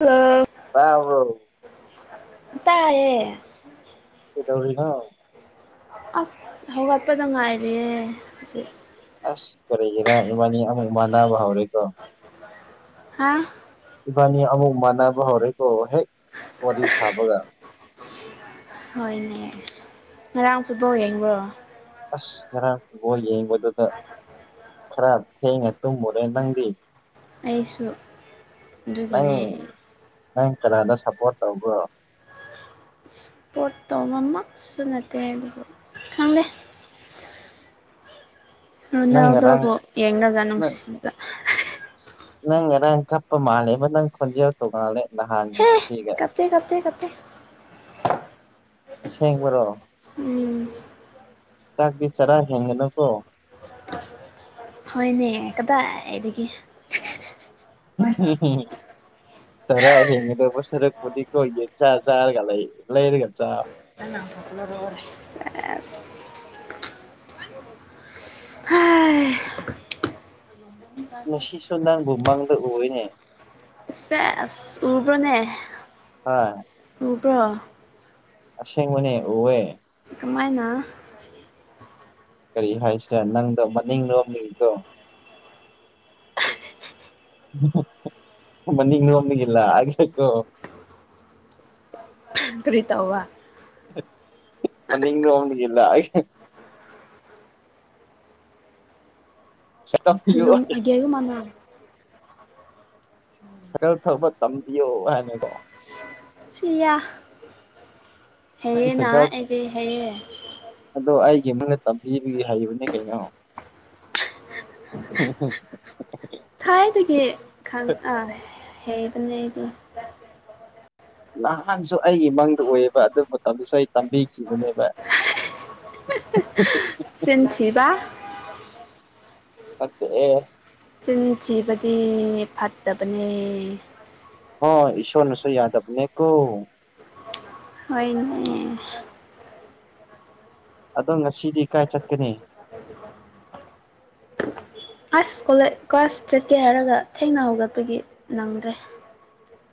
ꯍꯜꯂ‌ꫭ ꯇꯕ꯭ꯔꫭ ꯇꯥꯏꯌꯦ ꯀꯗꯧꯔꯤꯅꫭ ꯑꯁ ꯍꯧꯒꯠꯄꯗ ꯉꯥꯏꯔꯤꯌꯦ ꯑꯁꯤ [unintelligible] ꯑꯁ ꯀꯔꯤꯒꯤꯔꯥ ꯏꯕꯥꯅꯤ ꯑꯃꯨꯛ ꯃꯥꯟꯅꯕ ꯍꯧꯔꯦꯀꯣ ꯍꯥ ꯏꯕꯥꯅꯤ ꯑꯃꯨꯛ ꯃꯥꯟꯅꯕ ꯍꯧꯔꯦꯀꯣ ꯍꯦꯛ ꯋꯥꯔꯤ ꯁꯥꯕꯒ ꯍꯣꯏꯅꯦ ꯉꯔꯥꯡ ꯐꯨꯠꯕꫭꯜ ꯌꯦꯡꯕ꯭ꯔꯣ ꯑꯁ ꯉꯔꯥꯛ ꯕꯣꯜ ꯌꯦꯡꯕꯗꯨꯗ ꯈꯔ ꯊꯦꯡꯅ ꯇꯨꯝꯃꯨꯔꯦ ꯅꯪꯗꯤ ꯑꯩꯁꯨ ꯅꯪ ꯑꯗꯨꯒꯤꯅꯦ ꯅꯪ ꯀꯗꯥꯗ ꯁꯞꯄꯣꯔꯠ ꯇꯧꯕ꯭ꯔꫭ ꯄꯣꯠꯇꯣꯅꯃꯛꯁꯨꯨ ꯅ [unintelligible] ꯠꯇꯦ ꯍꯥꯏꯕ ꯈꯪꯗꯦ ꯅꯪ ꯔꫭꯅꯥꯜꯗꯨꯕꯨ ꯉꯔꯥꯡ ꯌꯦꯡꯉꯒ ꯅꯪ ꯅꯨꯡꯁꯤꯕ ꯅꯪ ꯉꯔꯥꯡ ꯀꯞꯄ ꯃꯥꯜꯂꯦ ꯅꯪ ꯈꯨꯣꯟꯖ ꯇꯣꯅꯜꯦ ꯍꯥꯥꯟꯗꫭ ꯍꯦ ꯑꯁꯤꯒ ꯀꯞꯇꯦ ꯀꯞꯇꯦ ꯀꯞꯇꯦ ꯑꯁꯦꯡꯕꯔꯣ ꯎꯝ ꯆꯛꯇꯤ ꯆꯔꯥ ꯍ‌ꯦꯟꯒꯅꯨꯀꫭ ꯍꯣꯏꯅꯦ ꯀꯗꯥꯏꯗꯒꯤ ꯍꯨꯝ ꯍꯨꯝ [unintelligible] ꯆꯔꯥ ꯍꯤꯡꯒꯗꯧꯕ ꯁꯔꯛꯄꯣꯗꯤꯀ ꯑꯣꯏ ꯌꯦꯦꯖꯥꯥꯔꯒ ꯂꯩ ꯂꯩꯔꯒ ꯆꯥ ꯃꯅꯗ ꯍꯥꯏ ꯉꯁꯤꯁꯨ ꯅꯪꯕꯨ ꯃꯥꯡꯗ ꯎꯅꯦ ꯁꯦꯁ ꯇꯔꯕꯅꯦ ꯍꯣꯏ꯫ ꯎꯕꯔꯣ ꯑꯁꯦꯡꯕꯅꯦ ꯎꯋꯦ ꯑꯗꯨꯃꯥꯏꯅ ꯀꯔꯤ ꯍꯥꯏꯁꯤꯅꯦ ꯅꯪꯗꯣ ꯃꯅꯤꯡ ꯂꯣꯝ ꯃꯤꯗꯣ ꯃꯅꯤꯣꯃꯤꯒꯂ ꯍꯥꯏꯒꯂꯣ ꯀ꯭ꯔꯤꯇ ꯋꯥ ꯃꯅꯤ ꯅ ꯑꯣꯝꯅꯤꯒꯂ ꯁꯝ ꯃꯥꯟ ꯁꯀꯜ ꯐꯕ ꯇꯝꯕꯤꯌꯣ ꯍꯥꯏꯅꯀꯣ ꯁꯤꯌꯥ ꯅꯪ ꯍꯦꯅ ꯁꯥꯏꯀꯜ ꯑꯦꯗꯤ ꯍꯦ ꯑꯗꯣ ꯑꯩꯒꯤ ꯑꯃꯅ ꯇꯝꯕꯤꯕꯒꯤ ꯍꯩꯕꯅꯦ ꯀꯩꯅꯣ ꯍ ꯍꯣ ꯊꯥꯏꯗꯒꯤ ꯈ ꯑ ꯍꯩꯕꯅꯦꯗꯤ ꯅꯍꯥꯟꯁꯨ ꯑꯩꯒꯤ ꯃꯥꯡꯗ ꯑꯣꯏꯌꯦꯕ ꯑꯗꯨ ꯃꯇꯝꯗꯨꯁꯨ ꯑꯩ ꯇꯝꯕꯤꯈꯤꯕꯅꯦꯕ ꯆꯟꯁꯤꯕ ꯃꯦ ꯆꯤꯟ ꯊꯤꯕꯗꯤ ꯐꯠꯇꯕꯅꯦ ꯑ ꯏꯁꯣꯔ ꯅꯁꯨ ꯌꯥꯗꯕꯅꯦ ꯀꯣ ꯍꯣꯏꯅꯦ ꯑꯗꯣ ꯉꯁꯤꯗꯤ ꯀꯥꯏ ꯆꯠꯀꯅꯤ ꯀ꯭ꯂꯥꯁ ꯀꯣ ꯀ꯭ꯂꯥꯁ ꯆꯠꯀꯦ ꯍꯥꯏꯔꯒ ꯊꯦꯡꯅ ꯍꯧꯒꯠꯄꯒꯤ ꯅꯪꯗ꯭ꯔꯦ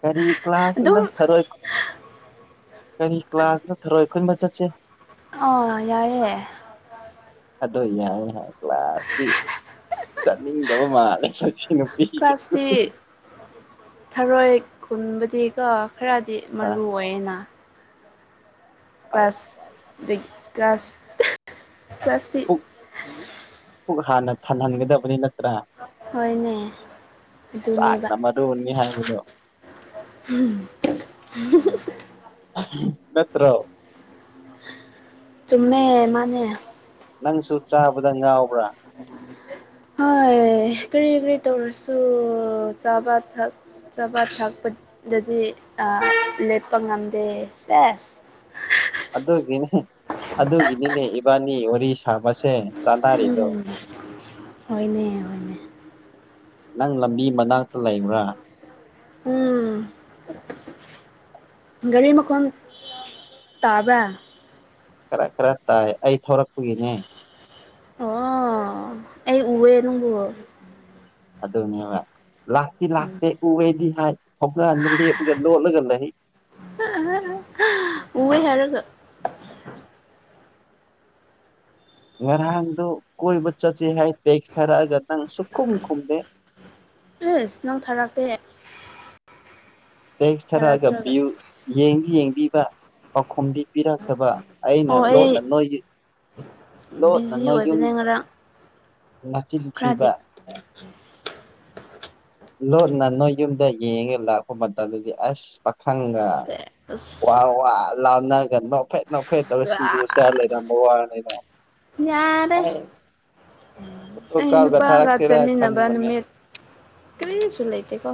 ꯀꯔꯤ ꯀ꯭ꯂꯥꯁ ꯑꯗꯨꯝ ꯅꯗ ꯊꯔꯣ ꯑꯩ ꯀꯔꯤ ꯀ꯭ꯂꯥꯁ ꯅꯊꯔꯣꯏ ꯑꯩꯈꯣꯏꯟꯕ ꯆꯠꯁꯤꯦ ꯑꯥ ꯌꯥꯏꯑꯦ ꯑꯗꯣ ꯏ ꯌꯥ ꯀ꯭ꯂ ꯀ꯭ꯂꯥꯁ ꯆꯠꯅꯤꯡꯗꯕ ꯃꯥꯜꯂꯦ ꯅꯨꯄꯤꯁꯦ ꯀ꯭ꯂꯥꯁꯇꯤ ꯊꯔꯣꯏ ꯈꯨꯟꯕꯗꯤ ꯀꯣ ꯈꯔꯗꯤ ꯍꯥꯏ ꯃꯔꯨ ꯑꯣꯏꯌꯦꯅ ꯌꯥꯏ ꯀ꯭ꯂ꯭ꯂꯥꯁ ꯌꯥꯏ ꯀꯥꯁ ꯄ꯭ꯂꯥꯁꯥꯁꯇ ꯨꯛ ꯍꯥꯟꯅ ꯊꯍꯟꯒꯗꯕꯅꯤ ꯅꯠꯇ꯭ꯔꯥ ꯍꯣꯏꯅꯦ ꯑꯗꯨꯅꯦꯕ ꯆꯥꯛꯅ ꯃꯔꯨꯅꯤ ꯍꯥꯏꯕꯗꯣ ꯅꯠꯇ꯭ꯔꯣ ꯆꯨꯝꯃꯦ ꯃꯥꯅꯦ ꯅꯪꯁꯨ ꯆꯥꯕꯗ ꯉꯥꯎꯕ꯭ꯔꯥ ꯍꯣꯏ ꯀꯔꯤ ꯀꯔꯤ ꯇꯧꯔꯁꯨ ꯆꯥꯕ ꯊꯛ ꯆꯥꯕ ꯊꯛꯄꯗꯗꯤ ꯂꯦꯞꯄ ꯉꯝꯗꯦ ꯁꯦꯁ ꯑꯗꯨꯒꯤꯅꯦ ꯑꯗꯨꯒꯤꯅꯤꯅꯦ ꯏꯕꯥꯅꯤ ꯋꯥꯔꯤ ꯁꯥꯕꯁꯦ ꯆꯥꯟꯅꯔꯤꯗꯣ ꯎ ꯍꯅꯦ ꯍ ꯅꯪ ꯂꯝꯕꯤ ꯃꯅꯥꯛꯇ ꯂꯩꯕ꯭ꯔꯥ ꯎꯝ ꯒꯥꯔꯤ ꯃꯈꯣꯟ ꯇꯥꯕ꯭ꯔꯥ ꯈꯔ ꯈꯔ ꯇꯥꯏ ꯑꯩ ꯊꯔꯛꯄꯒꯤꯅꯦ ꯀꯦ ꯅꯪꯕꯣ ꯑꯗꯨꯅꯦꯕ ꯂꯥꯛꯇꯤ ꯂꯥꯛꯇꯦ ꯎꯔꯦꯗꯤ ꯍꯥꯏ ꯊꯧꯂꯥꯟꯗ ꯂꯦꯞꯂꯒ ꯂꯣꯠꯂꯒ ꯂꯩ ꯎꯍ ꯍꯔꯒ ꯉꯔꯥꯟꯗꯨ ꯀꯣꯏꯕ ꯆꯠꯁꯤꯦ ꯍꯥꯏ ꯇꯦꯛꯁ ꯊꯥꯔꯛꯑꯒ ꯅꯪ ꯁꯈꯨꯝ ꯈꯨꯝꯗꯦ ꯑꯦ ꯁꯤꯅꯎ ꯊꯔꯥꯁꯦ ꯇꯦꯛꯁ ꯊꯥꯔꯛꯑꯒ ꯊꯥꯔꯛꯇ꯭ꯔꯒ ꯚ꯭ꯌꯨ ꯌꯦꯡꯗꯤ ꯌꯦꯡꯕꯤꯕ ꯄꯥꯎꯈꯨꯝꯗꯤ ꯄꯤꯔꯛꯇꯕ ꯑꯩꯅ ꯑꯣ ꯑꯩ ꯂꯣꯅ ꯅꯣꯏꯒꯤ ꯏꯖꯤ ꯑꯣꯏꯕꯅꯦ ꯉꯔꯥꯡ ꯈꯔꯗꯤ ꯅꯆꯤꯟꯈꯤꯕ ꯂꯣꯠꯅ ꯅꯣꯏ ꯌꯨꯝꯗ ꯌꯦꯡꯉ ꯂꯥꯛꯄ ꯃꯇꯝꯗꯨꯗꯤ ꯑꯁ ꯄꯥꯈꯪꯒ ꯑ ꯋꯥꯥꯎ ꯋꯥ ꯂꯥꯎꯅꯔꯒꯕ ꯐꯦ ꯅꯥ ꯐꯩꯠꯇꯕ ꯁꯤꯡꯖꯨ ꯃꯆꯥꯔ ꯂꯩꯔ ꯃ ꯋꯥ ꯂꯩꯅ ꯌꯥꯔꯦ ꯍꯥꯏ ꯑꯩ ꯅꯨꯄꯥꯒ ꯊꯥꯔꯛꯁꯤꯔ ꯆꯠꯃꯤꯟꯅꯕ ꯈꯟꯕꯅꯦ ꯅꯨꯃꯤꯠ ꯀꯔꯤꯁꯨꯂꯥꯏꯇꯦ ꯀꯣ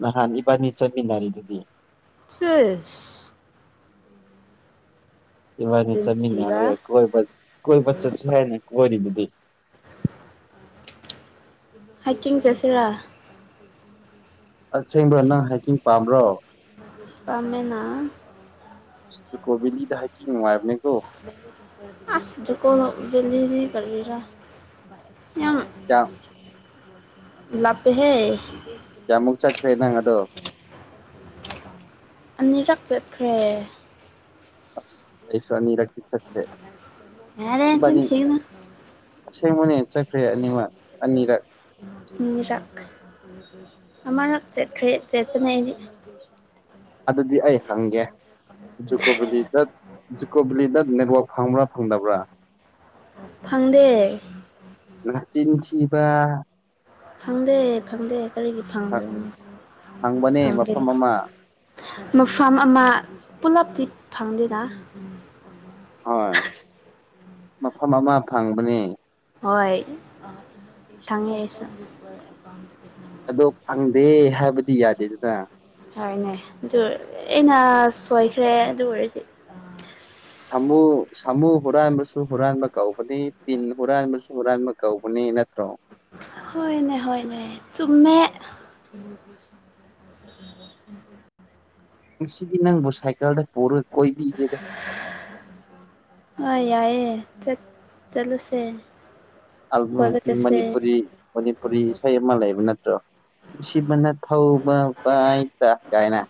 ꯅꯍꯥꯟ ꯏꯕꯥꯅꯤ ꯆꯠꯃꯤꯟꯅꯔꯤꯗꯨꯗꯤ ꯁꯤꯦꯁ ꯏꯃꯥꯏꯅ ꯆꯤꯟ ꯆꯠꯃꯤꯟꯅꯔꯒ ꯊꯤꯕ ꯀꯣꯏꯕ ꯀꯣꯏꯕ ꯆꯠꯁꯦ ꯍꯥꯏꯅ ꯀꯣꯏꯔꯤꯕꯗꯤ ꯍꯥꯏꯀꯤꯡ ꯆꯁꯤꯔꯥ ꯑꯁꯦꯡꯕ ꯅꯪ ꯍꯥꯏꯀꯤꯡ ꯄꯥꯝꯕ꯭ꯔꯣ ꯅꯨꯄꯥꯃꯦꯅꯥ ꯀꯣꯕꯤ ꯂꯤꯗ ꯍꯥꯏ ꯀꯉꯅꯨꯡꯉꯥꯏꯕꯅꯦ ꯀꯣ ꯑꯁ ꯗꯀꯣ ꯕꯤꯜꯂꯤꯗꯤꯖꯤ ꯀꯔ ꯌꯥ ꯂꯄꯍꯦ ꯀꯌꯥꯃꯨꯛ ꯆꯠꯈ꯭ꯔꯦ ꯅꯪ ꯑꯗꯣ ꯑꯅꯤꯔꯛ ꯆꯠꯈ꯭ꯔꯦ ꯑꯁ ꯑꯩꯁꯅꯤꯔꯛ ꯆꯈ꯭ꯔꯦ ꯌꯥꯔ ꯆꯤꯟꯁꯤꯅ ꯑꯁꯦꯡꯕꯅꯦ ꯆꯠꯈ꯭ꯔꯦ ꯑꯅꯤꯃꯛ ꯑꯅꯤꯔꯛ ꯃꯤꯔꯥꯛ ꯑꯥꯡ ꯆꯠ ꯆꯦꯇꯅ ꯑꯗꯨꯗꯤ ꯑꯩ ꯍꯪꯒꯦ ꯖꯨꯀꯣ ꯕꯦꯂꯤꯗ ꯖꯨꯀꯣ ꯕꯦꯂꯤꯗ ꯅꯦꯠꯋꯥꯛ ꯐꯪꯕ꯭ꯔꯥ ꯐꯪꯗꯕ꯭ꯔꯥ ꯐꯪꯗꯦ ꯅꯆꯤꯡ ꯊꯤꯕ ꯐꯪꯗꯦ ꯐꯪꯗꯦ ꯀꯔꯤꯒꯤ ꯐꯪꯗꯣꯏꯅꯣ ꯐꯪꯕꯅꯦ ꯐꯪꯗꯦ ꯃꯐꯝ ꯑꯃ ꯃꯐꯝ ꯑꯃ ꯄꯨꯂꯞꯇꯤ ꯐꯪꯗꯦꯅ ꯍꯣꯏ ꯃꯐꯝ ꯑꯃ ꯐꯪꯕꯅꯦ ꯍꯣꯏ ꯈꯪꯉꯦ ꯑꯩꯁꯨ ꯥꯟꯁ ꯑꯗꯣ ꯐꯪꯗꯦ ꯍꯥꯏꯕꯗꯤ ꯌꯥꯗꯦꯗꯅ ꯁ ꯍꯥꯏꯅꯦ ꯑꯗꯨ ꯑꯩꯅ ꯁꯣꯏꯈ꯭ꯔꯦ ꯑꯗꯨ ꯑꯣꯏꯔꯗꯤ ꯁꯥꯃꯨ ꯁꯥꯃꯨ ꯍꯨꯔꯥꯟꯕꯁꯨ ꯍꯨꯔꯥꯟꯕ ꯀꯧꯕꯧꯅꯤ ꯄꯤꯟ ꯍꯨꯔꯥꯟꯕꯁꯨ ꯍꯨꯔꯥꯟꯕ ꯀꯧꯕꯅꯤ ꯅꯠꯇ꯭ꯔꯣ ꯍꯣꯏꯅꯦ ꯍꯣꯏꯅꯦ ꯆꯨꯝꯃꯦ ꯉꯁꯤꯗꯤ ꯅꯪꯕꯨ ꯁꯥꯏꯀꯜꯗ ꯄꯨꯔꯣꯏ ꯀꯣꯏꯕꯤꯒꯦꯗ ꯍꯣꯏ ꯌꯥꯏꯑꯦ ꯆꯠꯂꯨꯁꯦ ꯀꯣꯏꯕ ꯆꯠꯁꯦ ꯃꯅꯤꯄꯨꯔꯤ ꯃꯅꯤꯄꯨꯔꯤ ꯏꯁꯩ ꯑꯃꯜ ꯂꯩꯕ ꯅꯠꯇ꯭ꯔꯣ ꯅꯨꯡꯁꯤꯕꯅ ꯊꯧꯕ ꯍꯛꯇ ꯀꯥꯏꯅ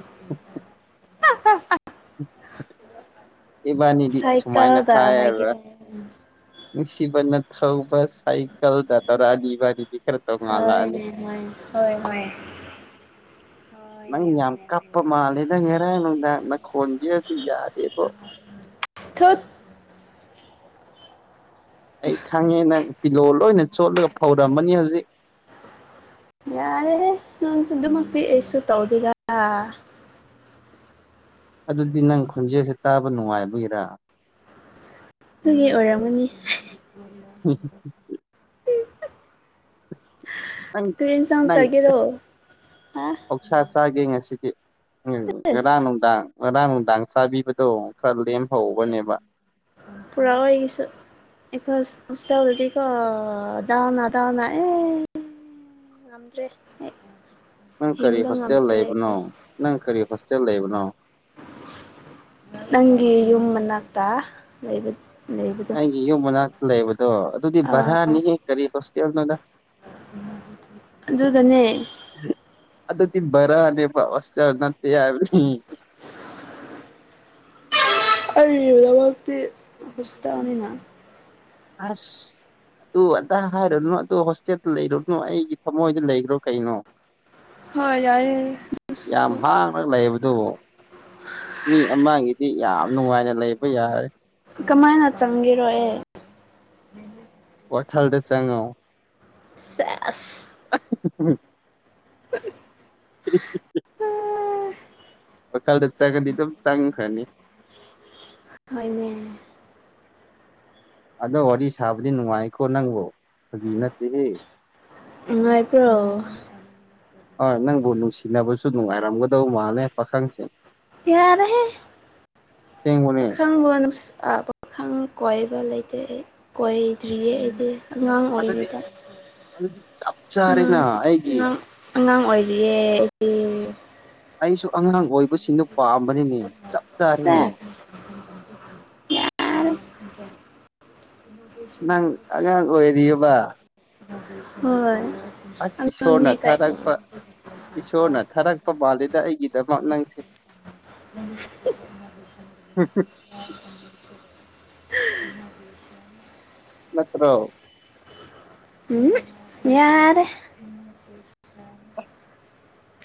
[inaudible] ꯏꯕꯥꯅꯤꯗꯤ ꯁꯨꯃꯥꯏꯅ ꯁꯥꯏꯀꯜꯗ ꯍꯥꯏꯒꯦ ꯍꯥꯏꯔꯕ꯭ꯔꯥ ꯅꯨꯡꯁꯤꯕꯅ ꯊꯧꯕ ꯁꯥꯏꯀꯜꯗ ꯇꯧꯔꯥꯗꯤ ꯏꯕꯗꯤꯗꯤ ꯍꯣꯏꯅꯦ ꯍꯣꯏ ꯍꯣꯏ ꯃꯣꯏ ꯅꯪ ꯌꯥꯝ ꯀꯞꯄ ꯍꯣꯏꯅꯦ ꯃꯥꯜꯂꯦ ꯅꯪ ꯉꯔ ꯅꯨꯡꯗꯥ ꯅꯪ ꯈꯣꯟꯖꯦꯔꯁꯨ ꯌꯥꯗꯦꯕꯣ꯫ ꯊꯠ ꯑꯩ ꯈꯪꯉꯦ ꯅꯪ ꯄꯤꯂꯣ ꯂꯣꯏꯅ ꯆꯣꯠꯂꯒ ꯐꯧꯔꯝꯕꯅꯤ ꯍꯧꯖꯤꯛ ꯌꯥꯔꯦ꯫ ꯅꯪ ꯑꯗꯨꯃꯛꯇꯤ ꯑꯩꯁꯨ ꯇꯧꯗꯦꯑꯥ꯫ ꯑꯗꯨꯗꯤ ꯅꯪ ꯈꯣꯟꯖꯦꯜꯁꯦ ꯇꯥꯕ ꯅꯨꯡꯉꯥꯏꯕꯒꯤꯔꯥ ꯅꯒꯤ ꯑꯣꯏꯔꯝꯃꯅꯤ꯫ ꯍꯝ ꯍ ꯅꯪ ꯀꯔꯤ ꯏꯟꯁꯥꯡ ꯅꯪ ꯆꯥꯒꯦꯔꯣ ꯍꯥ ꯄꯧꯁꯥ ꯆꯥꯒꯦ ꯉꯁꯤꯗꯤ꯫ ꯎꯝ ꯉꯔꯥꯡ ꯑꯁ ꯅꯨꯡꯗꯥꯡ ꯉꯔꯥꯡ ꯅꯨꯡꯗꯥꯡ ꯆꯥꯕꯤꯕꯗꯣ ꯈꯔ ꯂꯦꯝꯍꯧꯕꯅꯦꯕ꯫ ꯄꯨꯔꯥ ꯑꯩꯒꯤꯁꯨ꯫ ꯑꯩꯀꯣꯏ ꯍꯁꯇꯗꯤꯀꯣ ꯗꯅꯥ ꯗꯅꯥ ꯑꯦ꯫ ꯉꯗ꯭ꯔꯦ꯫ ꯅꯪ ꯀꯔꯤ ꯍꯣꯁꯇꯦꯜ ꯂꯩꯕꯅꯣ ꯅꯪ ꯀꯔꯤ ꯍꯣꯁꯇꯦꯜ ꯂꯩꯕꯅꯣ꯫ ꯅꯪꯒꯤ ꯌꯨꯝ ꯃꯅꯥꯛꯇ ꯂꯩꯕꯗꯣ꯫ ꯌꯨꯝ ꯃꯅꯥꯛꯇ ꯂꯩꯕꯗꯣ ꯑꯗꯨꯗꯤ ꯚꯔꯥꯅꯤꯍꯦ ꯀꯔꯤ ꯍꯣꯁꯇꯦꯜꯅꯣꯗ꯫ ꯑꯗꯨꯒꯅꯦ꯫ ꯑꯗꯣꯗꯤ ꯕꯥꯔꯅꯦꯕ ꯍꯣꯁꯇꯦꯜ ꯅꯠꯇꯦ ꯍꯥꯏꯕꯅꯤ꯫ ꯑꯗꯃꯛꯇꯤ ꯍꯣꯁꯇꯦꯜ ꯅꯤꯅ ꯑꯁ ꯑꯗꯨ ꯑꯗꯥ ꯍꯥꯏꯔꯨꯅꯨ ꯑꯗꯨ ꯍꯣꯁꯇꯦꯜꯗ ꯂꯩꯔꯨꯅꯨ ꯑꯩꯒꯤ ꯊꯃꯣꯏꯗ ꯂꯩꯈ꯭ꯔꯣ ꯀꯩꯅꯣ꯫ [inaudible] ꯍꯣꯏ ꯌꯥꯏꯌꯦ꯫ ꯌꯥꯝ ꯑꯗꯨꯁꯨ ꯍꯥꯡꯉꯒ ꯂꯩꯕꯗꯨꯕꯨ ꯃꯤ ꯑꯃꯒꯤꯗꯤ ꯌꯥꯝ ꯅꯨꯡꯉꯥꯏꯅ ꯂꯩꯕ ꯌꯥꯔꯦ꯫ ꯀꯃꯥꯏꯅ ꯆꯪꯒꯔꯣ ꯑꯩ꯫ ꯋꯥ ꯈꯜꯗ ꯆꯥꯡꯉ ꯁꯦꯁ [unintelligible] [unintelligible] [inaudible] ꯋꯥꯈꯜꯗ ꯆꯥꯒꯗꯤ ꯑꯗꯨꯝ ꯆꯪꯈ꯭ꯔꯅꯤ꯫ ꯍꯅꯦꯅꯦ꯫ ꯑꯗꯣ ꯋꯥꯔꯤ ꯁꯥꯕꯗꯤ ꯅꯨꯡꯉꯥꯏꯀꯣ ꯅꯪꯕꯨ ꯐꯥꯒꯤ ꯅꯠꯇꯦꯍꯦ꯫ ꯎꯥꯏ ꯄ꯭ꯔꯣ꯫ ꯍꯣꯏ ꯅꯪꯕꯨ ꯅꯨꯡꯁꯤꯅꯕꯁꯨ ꯅꯨꯡꯉꯥꯏꯔꯝꯒꯗꯧ ꯃꯥꯜꯂꯦ ꯄꯥꯈꯪꯁꯦ꯫ ꯌꯥ ꯌꯥꯔꯦ ꯄ ꯑꯁꯦꯡꯕꯅꯦ ꯈꯪ ꯋꯥ ꯄꯥ ꯈꯪ ꯀꯣꯏꯕ ꯂꯩꯇꯦ ꯀꯣꯏꯗ꯭ꯔꯤꯌꯦ ꯑꯩꯗꯤ꯫ ꯑꯉꯥꯡ ꯑꯗꯨꯗꯤ ꯑꯣꯏꯔꯤꯕꯗ ꯑꯗꯨꯗꯤ ꯆꯞ ꯑꯥꯡ ꯆꯥꯔꯦꯅ ꯑꯩꯒꯤ ꯉꯥꯡ ꯑꯉꯥꯡ ꯑꯣꯏꯔꯤꯌꯦ ꯑꯩꯗꯤ꯫ ꯑꯩꯁꯨ ꯑꯉꯥꯡ ꯑꯣꯏꯕꯁꯤꯡꯗꯨꯣ ꯄꯥꯝꯕꯅꯤꯅꯦ ꯆꯞ ꯆꯥꯔꯤꯅꯦ꯫ ꯁꯦꯛꯁ ꯌꯥꯔꯦ ꯅꯪ ꯑꯉꯥꯡ ꯑꯣꯏꯔꯤꯑꯕ꯫ ꯍꯣꯏ꯫ ꯑꯁ ꯏꯁꯣꯔꯅ ꯑꯉꯥꯡꯅꯦ ꯀꯩꯅꯣ ꯊꯥꯔꯛꯄ꯫ ꯏꯁꯣꯔꯅ ꯊꯔꯛꯇꯧ ꯃꯥꯜꯂꯤꯗ ꯑꯩꯒꯤꯗꯃꯛ ꯅꯪꯁꯦ꯫ ꯎꯝ [unintelligible] [inaudible] ꯅꯠꯇ꯭ꯔꯣ꯫ ꯎꯝ ꯌꯥꯔꯦ꯫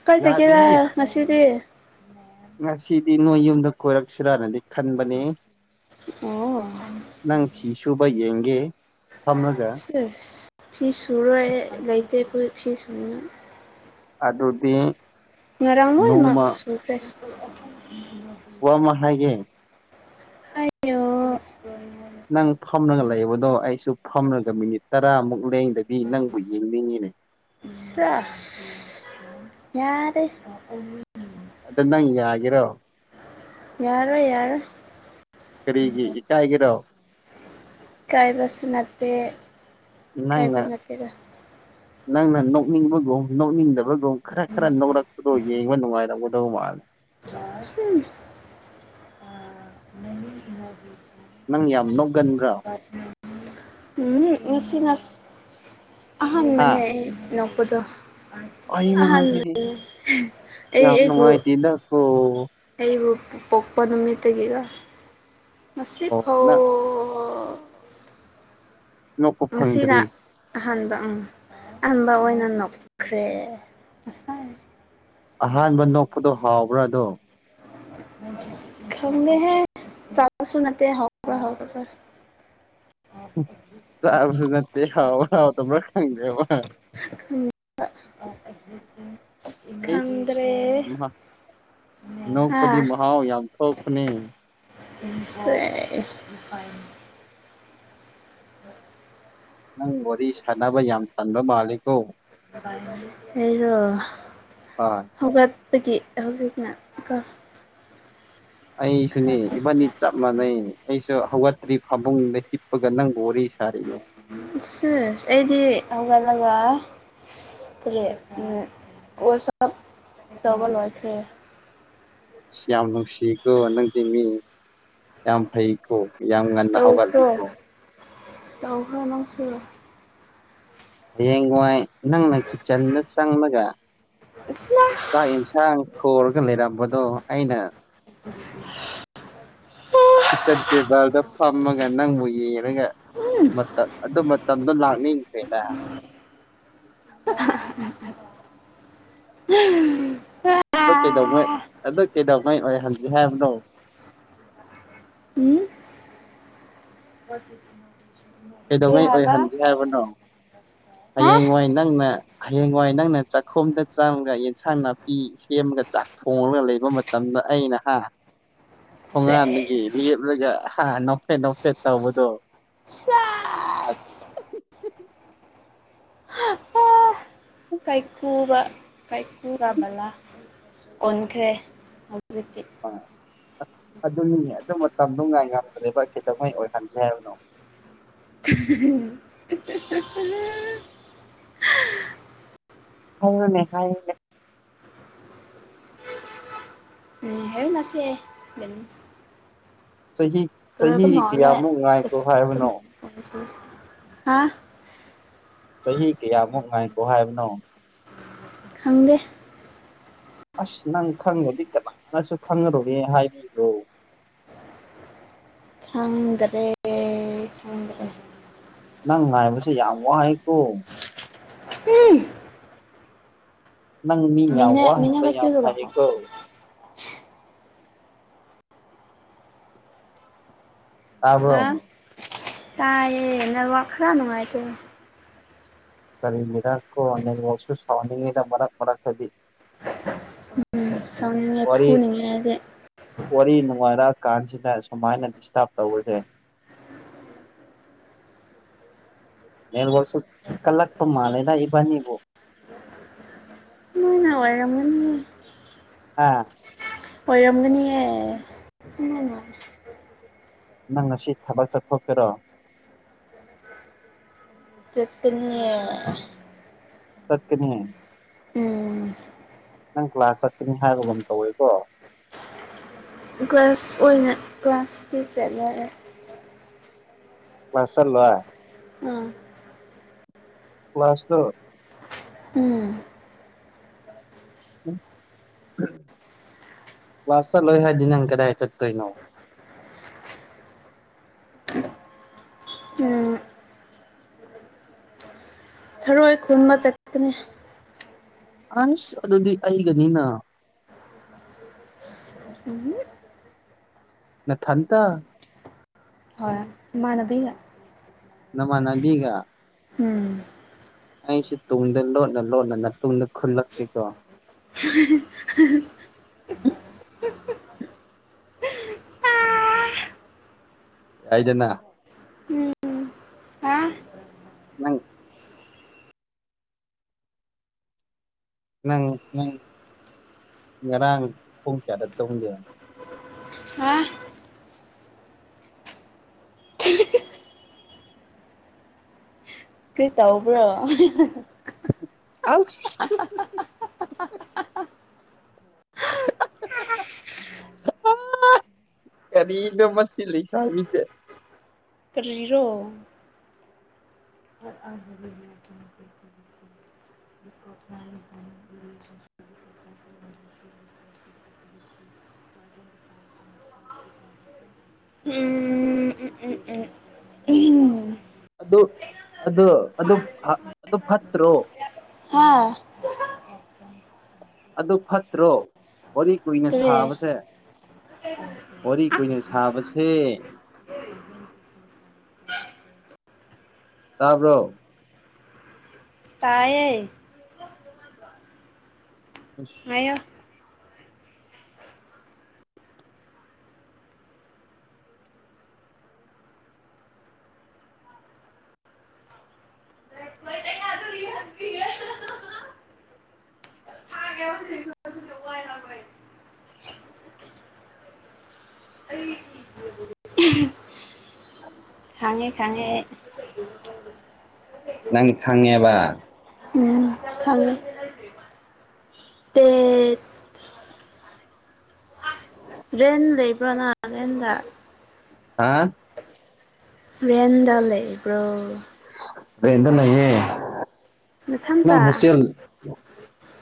ꯀꯥꯏꯖꯒꯦꯔꯥ ꯌꯥꯗꯦꯍꯦ ꯉꯁꯤꯗꯤ꯫ ꯉꯁꯤꯗꯤ ꯅꯣꯏ ꯌꯨꯝꯗ ꯀꯣꯏꯔꯛꯁꯤꯔꯥꯅꯗꯤ ꯈꯟꯕꯅꯦ ꯑꯣ ꯅꯪ ꯐꯤ ꯁꯨꯕ ꯌꯦꯡꯒꯦ ꯐꯝꯔꯒ ꯐꯤ ꯁꯨꯔꯣꯏ ꯑꯩ ꯂꯩꯇꯦ ꯐꯨꯔꯤꯠ ꯐꯤ ꯁꯨꯅꯤꯡꯉꯥꯏ ꯑꯗꯨꯗꯤ ꯉꯥꯔꯥꯡ ꯂꯣꯏꯃꯛ ꯅꯣꯡꯃ ꯁꯨꯈ꯭ꯔꯦ ꯋꯥꯃ ꯍꯥꯏꯒꯦ ꯌꫭ ꯅꯪ ꯐꯝꯂꯒ ꯂꯩꯕꯗꯣ ꯑꯩꯁꯨ ꯐꯝꯂꯒ ꯃꯤꯅꯤꯠ ꯇꯔꯥꯃꯨꯛ ꯂꯦꯡꯗꯕꯤ ꯅꯪꯕꯨ ꯌꯦꯡꯅꯤꯡꯉꯤꯅꯦ ꯆꯦꯁ ꯌꯥꯔꯦ ꯑꯗꯨ ꯅꯪ ꯌꯥꯒꯦꯔꯣ ꯌꯥꯔꯣꯏ ꯌꯥꯔꯣꯏ ꯀꯔꯤꯒꯤ ꯏꯀꯥꯏꯒꯦꯔꯣ ꯀꯥꯏꯕꯁꯨ ꯅꯠꯇꯦ ꯅꯪꯅ ꯏꯀꯥꯏꯕ ꯅꯠꯇꯦꯗ ꯅꯪꯅ ꯅꯣꯛꯅꯤꯡꯕꯒꯨꯝ ꯅꯣꯛꯅꯤꯡꯗꯕ ꯕꯒꯨꯝ ꯈꯔ ꯈꯔ ꯅꫭꯔꯛꯄꯗꯣ ꯌꯦꯡꯕ ꯅꯨꯡꯉꯥꯏꯔꯝꯒꯗꯧ ꯃꯥꯜꯂꯦ ꯍꯝ ꯃꯃꯤ ꯃꯖꯁꯤ [unintelligible] ꯅꯪ ꯌꯥꯝ ꯅꫭꯛꯒꯟꯕ꯭ꯔꯥ ꯎ ꯎꯝ [unintelligible] ꯎꯝ ꯉꯁꯤꯅ ꯍꯥ ꯑꯍꯥꯟꯕꯅꯦ ꯑꯩꯅꯣꯛꯄꯗꯣ ꯑꯩꯃꯥ ꯑꯍꯥꯟꯕꯅꯦ ꯑꯩ ꯑꯩꯕꯨ ꯏꯅꯈꫭ ꯑꯩꯕꯨ ꯄꯣꯛꯄ ꯅꯨꯃꯤꯠꯇꯒꯤꯒ ꯑꯣ ꯅꯪ ꯉꯁꯤꯐꯥꯎ ꯅꯣꯛꯄ ꯉꯁꯤꯅ ꯐꯪꯗ꯭ꯔꯤ ꯑꯍꯥꯟꯕ ꯎꯝ ꯑꯍꯥꯟꯕ ꯑꯣꯏꯅ ꯅꯣꯛꯈ꯭ꯔꯦ ꯉꯁꯥꯏ ꯑꯍꯥꯟꯕ ꯅꯣꯛꯄꯗꯣ ꯍꯥꯎꯕ꯭ꯔꯥ ꯑꯗꯣ ꯈꯪꯗꯦꯍꯦ ꯑꯆꯥꯄꫭꯠꯁꯨ ꯅꯠꯇꯦ ꯍꯥꯎꯕꯔꯥ ꯍꯥꯎꯇꯕꯔꯥ ꯆꯥꯕꯁꯨ ꯅꯠꯇꯦ ꯍꯥꯎꯕꯔ ꯍꯥꯎꯇꯕꯔ ꯈꯪꯗꯔꯦꯕ ꯑꯩꯁ ꯈꯪꯗ꯭ꯔꯦ ꯌꯥꯝꯃ ꯅꯣꯛꯄꯗꯤ ꯃꯍꯥꯎ ꯌꯥꯝ ꯊꯣꯛꯄꯅꯦ ꯆꯦꯁ [unintelligible] ꯎꯝ [unintelligible] ꯅꯪ ꯋꯥꯔꯤ ꯁꯥꯟꯅꯕ ꯌꯥꯝ ꯇꯟꯕ ꯃꯥꯜꯂꯤꯀꯣ ꯑꯩꯔꯣ ꯍꯣꯏ ꯍꯧꯒꯠꯄꯒꯤ ꯍꯧꯖꯤꯛꯅ ꯑꯩꯁꯨꯅꯦ ꯈꯔꯗꯤ ꯏꯕꯟꯅꯤ ꯆꯞ ꯃꯥꯟꯅꯩ ꯑꯩꯁꯨ ꯍꯧꯒꯠꯇ꯭ꯔꯤ ꯐꯃꯨꯡꯗ ꯍꯤꯞꯄꯒ ꯅꯪꯕꯨ ꯋꯥꯔꯤ ꯁꯥꯔꯤꯅꯦ ꯆꯦꯁ ꯑꯩꯗꯤ ꯍꯧꯒꯠꯂꯒ ꯀꯌꯤ ꯎꯝ ꯀꯁꯞ ꯇꯧꯕ ꯂꯣꯏꯈ꯭ꯔꯦ ꯁꯤ ꯌꯥꯝ ꯅꯨꯡꯁꯤꯈꯣ ꯅꯪꯗꯤꯃꯤ ꯌꯥꯝ ꯐꯩ ꯑꯣ ꯌꯥꯝ ꯉꯟꯅ ꯍꯧꯒꯠꯂꯤꯀꯣ ꯇꯧꯕꯔ ꯅꯪꯁꯨ ꯍꯌꯦꯡ ꯋꯥꯏ ꯅꯪꯅ ꯀꯤꯆꯟꯗ ꯆꯪꯂꯒ ꯆꯥꯛ ꯌꯦꯟꯁ ꯁꯥꯡ ꯊꫭꯔꯒ ꯂꯩꯔꯝꯕꯗꯣ ꯑꯩꯅ [inaudible] ꯀꯤꯆꯟ ꯇꯦꯕꯜꯗ ꯐꯝꯃꯒ ꯅꯪꯕꯨ ꯌꯦꯡꯔ‌ꯒ ꯎꯝ ꯃꯇꯝ ꯑꯗꯨ ꯃꯇꯝꯗꫭ ꯂꯥꯛꯅꯤꯈ꯭ꯔꯦꯗ [unintelligible] ꯑꯗꯨ ꯀꯩꯗꯧꯉꯩ ꯑꯗꯨ ꯀꯩꯗꯧꯉꯩ ꯑꯣꯏꯍꯟꯖꯦ ꯍꯥꯏꯕꯅꯣ ꯎꯝ ꯄꯀꯤꯁ [unintelligible] ꯀꯩꯗꯧꯉꯩ ꯑꯣꯏꯍꯟꯖꯤ ꯍꯥꯏꯕꯅꯣ ꯍꯌꯦꯡ ꯋꯥꯏ ꯅꯪꯅ ꯍꯌꯦꯡꯋꯥꯏ ꯅꯪꯅ ꯆꯥꯛꯈꯣꯝꯗ ꯆꯥꯡꯉꯒ ꯌꯦꯟꯁꯥꯡ ꯅꯥꯄꯤ ꯁꯦꯝꯃꯒ ꯆꯥꯛ ꯊꯣꯡꯂꯒ ꯂꯩꯕ ꯃꯇꯝꯗ ꯑꯩꯅ ꯍꯥ ꯊꯣꯡꯉꯥꯟꯗꯒꯤ ꯁꯦꯁ ꯂꯦꯞꯂꯒ ꯍꯥ ꯅꯣꯐꯦꯠ ꯅꯣꯐꯦꯠ ꯇꯧꯕꯗꯣ [inaudible] ꯀꯥꯏꯈꯨꯕ ꯀꯩꯀꯨ ꯒꯥ ꯕꯥꯂꯥ ꯑꯣꯟꯈ꯭ꯔꯦ ꯍꯧꯖꯤꯛꯇꯤ ꯑꯥ ꯑ ꯑꯗꯨꯅꯤꯅꯦ ꯑꯗꯨ ꯃꯇꯝꯗꯣ ꯉꯥꯏ ꯉꯝꯗ꯭ꯔꯦꯕ ꯀꯩꯗꯧꯉꯩ ꯑꯣꯏꯍꯟꯁꯦ ꯍꯥꯏꯕꯅꯣ [inaudible] ꯍꯥꯏꯌꯨꯅꯦ ꯍꯥꯏꯌꯨꯅꯦ ꯎꯝ ꯍꯦꯔ ꯅꯁꯤꯅꯤ [inaudible] ꯆꯍꯤ ꯆꯍꯤ ꯀꯌꯥꯃꯨꯛ ꯉꯥꯏꯈꯣ ꯍꯥꯏꯕꯅꯣ [inaudible] ꯆꯍꯤ ꯀꯌꯥꯃꯨꯛ ꯉꯥꯏꯀꯣ ꯍꯥꯏꯕꯅꯣ ꯈꯪꯗꯦ ꯑꯁ ꯅꯪ ꯈꯪꯗꯔꯥꯗꯤ ꯀꯅꯥꯅꯁꯨ ꯈꯪꯉꯔꯣꯢꯌꯦ ꯍꯥꯏꯕꯤꯈ꯭ꯔꯣ ꯈꯪꯗ꯭ꯔꯦ ꯈꯪꯗ꯭ꯔꯦ ꯅꯪ ꯉꯥꯏꯕꯁꯨ ꯌꯥꯝ ꯋꯥꯏꯀꯣ [inaudible] ꯅꯪ ꯃꯤ ꯌꯥꯝ ꯃꯤꯅ ꯃꯤꯅ ꯋꯥꯍꯟꯕ ꯀꯩ ꯀ꯭ꯌꯨ ꯌꯥꯝ ꯂꯥꯛꯑꯣ ꯍꯥꯏꯔꯦꯀꯣ ꯍꯥ ꯇꯥꯕꯔꯣ ꯇꯥꯏꯌꯦ ꯅꯦꯠꯋꯥꯛ ꯈꯔ ꯅꯨꯡꯉꯥꯏꯇꯦ ꯀꯔꯤꯒꯤꯔꯀꯣ ꯅꯦꯠꯋꯥꯛꯁꯨ ꯁꯥꯎꯅꯤꯡꯢꯗ ꯃꯔ ꯃꯔꯛ ꯗꯗꯤ ꯁꯥꯎꯅꯤꯡꯉꯦ ꯋꯥꯔꯤ ꯐꯨꯅꯤꯡꯉꯦ ꯑꯩꯗꯤ ꯋꯥꯔꯤ ꯅꯨꯡꯉꯥꯏꯔ ꯀꯥꯟꯁꯤꯗ ꯁꯨꯃꯥꯏꯅ ꯗꯤꯁꯇꯥꯔꯕ ꯇꯧꯕꯁꯦ ꯅꯦꯠꯋꯥꯛꯁꯨ ꯀꯜꯂꯛꯄ ꯃꯥꯜꯂꯦꯗ ꯏꯕꯥꯅꯤꯕꯨ ꯅꯣꯏꯅ ꯑꯣꯏꯔꯝꯒꯅꯤ ꯍꯥ ꯑꯣꯏꯔꯝꯒꯅꯤꯍꯦ ꯎꯝ [inaudible] ꯅꯪ ꯉꯁꯤ ꯊꯕꯛ ꯆꯠꯊꯣꯛꯀꯦꯔꯣ ꯆꯠꯀꯅꯤꯌꯦ ꯆꯠꯀꯅꯤ ꯎꯝ ꯅꯪ ꯀ꯭ꯂꯥꯁ ꯆꯠꯒꯅꯤ ꯍꯥꯏꯕꯒꯨꯝ ꯇꯧꯏꯀꯣ ꯀ꯭ꯂꯒꯥꯁ ꯑꯣꯏꯅ ꯀ꯭ꯂꯒꯥꯁꯇꯤ ꯆꯠꯂꯥꯔꯣꯢ ꯀꯥꯁꯜ ꯆꯠꯂꯣꯏ ꯎꯝ ꯀꯂ꯭ꯥꯁ ꯇꯣ ꯎꯝ ꯀꯂꯥꯁ ꯆꯠꯂꯣꯏ ꯍꯥꯏꯗꯤ ꯅꯪ ꯀꯗꯥꯏ ꯆꯠꯇꯣꯏꯅꯣ ꯎꯝ ꯊꯔꯣꯏ ꯈꯨꯟꯕ ꯆꯠꯀꯅꯤ ꯑꯁ ꯑꯗꯨꯗꯤ ꯑꯩꯒꯅꯤꯅ ꯎꯝ [inaudible] ꯅꯊꯟꯇ ꯍꯣꯏ ꯏꯃꯥꯟꯅꯕꯤꯒ ꯅꯃꯥꯟꯅꯕꯤꯒ ꯎꯝ ꯑꯩꯁꯨ ꯇꯨꯡꯗ ꯂꯣꯟꯅ ꯂꯣꯟꯅ ꯇꯨꯡꯗ ꯈꯨꯜꯂꯛꯀꯦꯀꯣ [inaudible] ꯌꯥꯏꯗꯅ ꯎꯝ ꯍꯥ ꯅꯪ ꯅꯪ ꯅꯪ ꯉꯔꯥꯡ ꯄꯣꯡ ꯆꯥꯗ ꯇꯧꯒꯦ ꯍꯥ ꯀꯩ ꯇꯕ꯭ꯔꯣ ꯑꯁ ꯀꯔꯤꯗ ꯃꯁꯤ ꯂꯩꯁꯕꯤꯁꯦ ꯀꯔꯤ ꯔꯣ [unintelligible] [unintelligible] [inaudible] ꯎꯝ ꯎ ꯎꯝ ꯎꯝ ꯎꯝ [unintelligible] ꯑꯗꯨ ꯑꯗꯨ ꯑꯗꯨ ꯐꯥ ꯑꯗꯨ ꯐꯠꯇ꯭ꯔꯣ ꯍꯥꯥ [unintelligible] ꯑꯗꯨ ꯐꯠꯇ꯭ꯔꯣ ꯋꯥꯔꯤ ꯀꯨꯏꯅ ꯀꯔꯤ ꯁꯥꯕꯁꯦ [unintelligible] [inaudible] ꯋꯥꯔꯤ ꯀꯨꯏꯅ ꯁꯥꯕꯁꯦ ꯇꯥꯕꯔꯣ ꯇꯥꯏꯌꯦ ꯑꯁ [unintelligible] [inaudible] ꯍꯥꯏꯌꯣ ꯍꯥꯡꯉꯦ ꯈꯉꯦ [unintelligible] ꯅꯪ ꯈꯪꯉꯦꯕ ꯎꯝ ꯈꯪꯉꯦ ꯇꯦ [unintelligible] ꯔꯦꯟ ꯂꯩꯕꯔꯅ ꯔꯦꯟꯗ ꯍꯥ [unintelligible] ꯔꯦꯟꯗ ꯂꯩꯕ꯭ꯔꯣ ꯔꯦꯟꯗ ꯂꯩꯌꯦ ꯅꯪ ꯅꯊꯟꯇ ꯍꯣꯁꯇꯦꯜ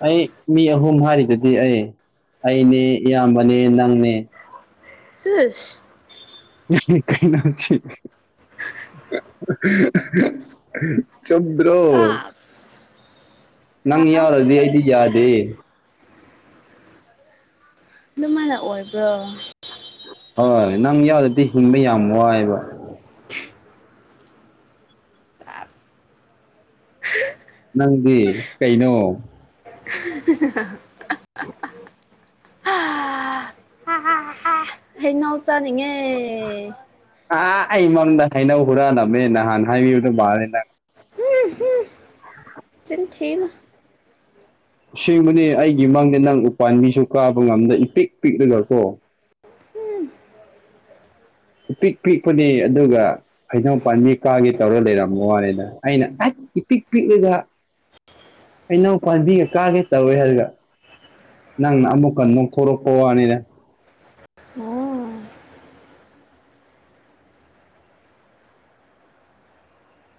ꯑꯩ ꯃꯤ ꯑꯍꯨꯝ ꯍꯥꯏꯔꯤꯗꯨꯗꯤ ꯑꯩ ꯑꯩꯅꯦ ꯏꯌꯥꯝꯕꯅꯦ ꯅꯪꯅꯦ ꯁꯁ [unintelligible] [inaudible] [unintelligible] ꯀꯩꯅꯣꯁꯤ [unintelligible] ꯆꯨꯝꯗꯔꯣ ꯁꯥꯁ ꯅꯪ ꯌꯥꯎꯗꯗꯤ ꯑꯩꯗꯤ ꯌꯥꯗꯦ ꯑꯗꯨꯃꯥꯏꯅ ꯑꯣꯏꯕ꯭ꯔꯣ ꯍꯣꯏ ꯅꯪ ꯌꯥꯎꯗꯗꯤ ꯍꯤꯡꯕ ꯌꯥꯝ ꯋꯥꯏꯑꯦꯕ ꯁꯥꯁ ꯅꯪꯗꯤ ꯀꯩꯅꯣ [unintelligible] [unintelligible] [inaudible] ꯍꯥ ꯍꯩꯅꯧꯆꯥ ꯅꯤꯡꯉꯦ [unintelligible] ꯑꯥꯍꯥ ꯑꯩ ꯃꯡꯗ ꯍꯩꯅꯧ ꯍꯨꯔꯥꯟꯂꯝꯃꯦ ꯅꯍꯥꯟ ꯍꯥꯏꯕꯤꯕꯗꯣ [unintelligible] ꯕꯥꯔꯦ ꯅꯪ [inaudible] ꯆꯤꯟ ꯊꯤꯅꯨ ꯁꯦꯡꯕꯅꯦ ꯑꯩꯒꯤ ꯃꯥꯡꯗꯦ ꯅꯪ ꯎꯄꯥꯥꯟꯕꯤꯁꯨ ꯀꯥꯕ ꯉꯝꯗ ꯏ ꯄꯤꯛ ꯄꯤꯛꯂꯒ ꯀꯣ ꯏꯄꯤꯛ ꯄꯤꯛꯄꯅꯦ ꯑꯗꯨꯒ ꯍꯩꯅꯧ ꯄꯥꯟꯕꯤ ꯀꯥꯒꯦ ꯇꯧꯔ ꯂꯩꯔꯝꯃ ꯋꯥꯅꯦꯗ ꯑꯩꯅ ꯑꯁ ꯏꯄꯤꯛ ꯄꯤꯛꯂꯒ ꯍꯩꯅꯧ ꯄꯥꯝꯕꯤꯒ ꯀꯥꯒꯦ ꯇꯧꯋꯦ ꯍꯥꯏꯔꯒ ꯅꯪꯅ ꯑꯃꯨꯛꯀꯟ ꯅꯣꯛꯊꯣꯔꯛꯄ ꯋꯥꯅꯤꯗ ꯑꯣ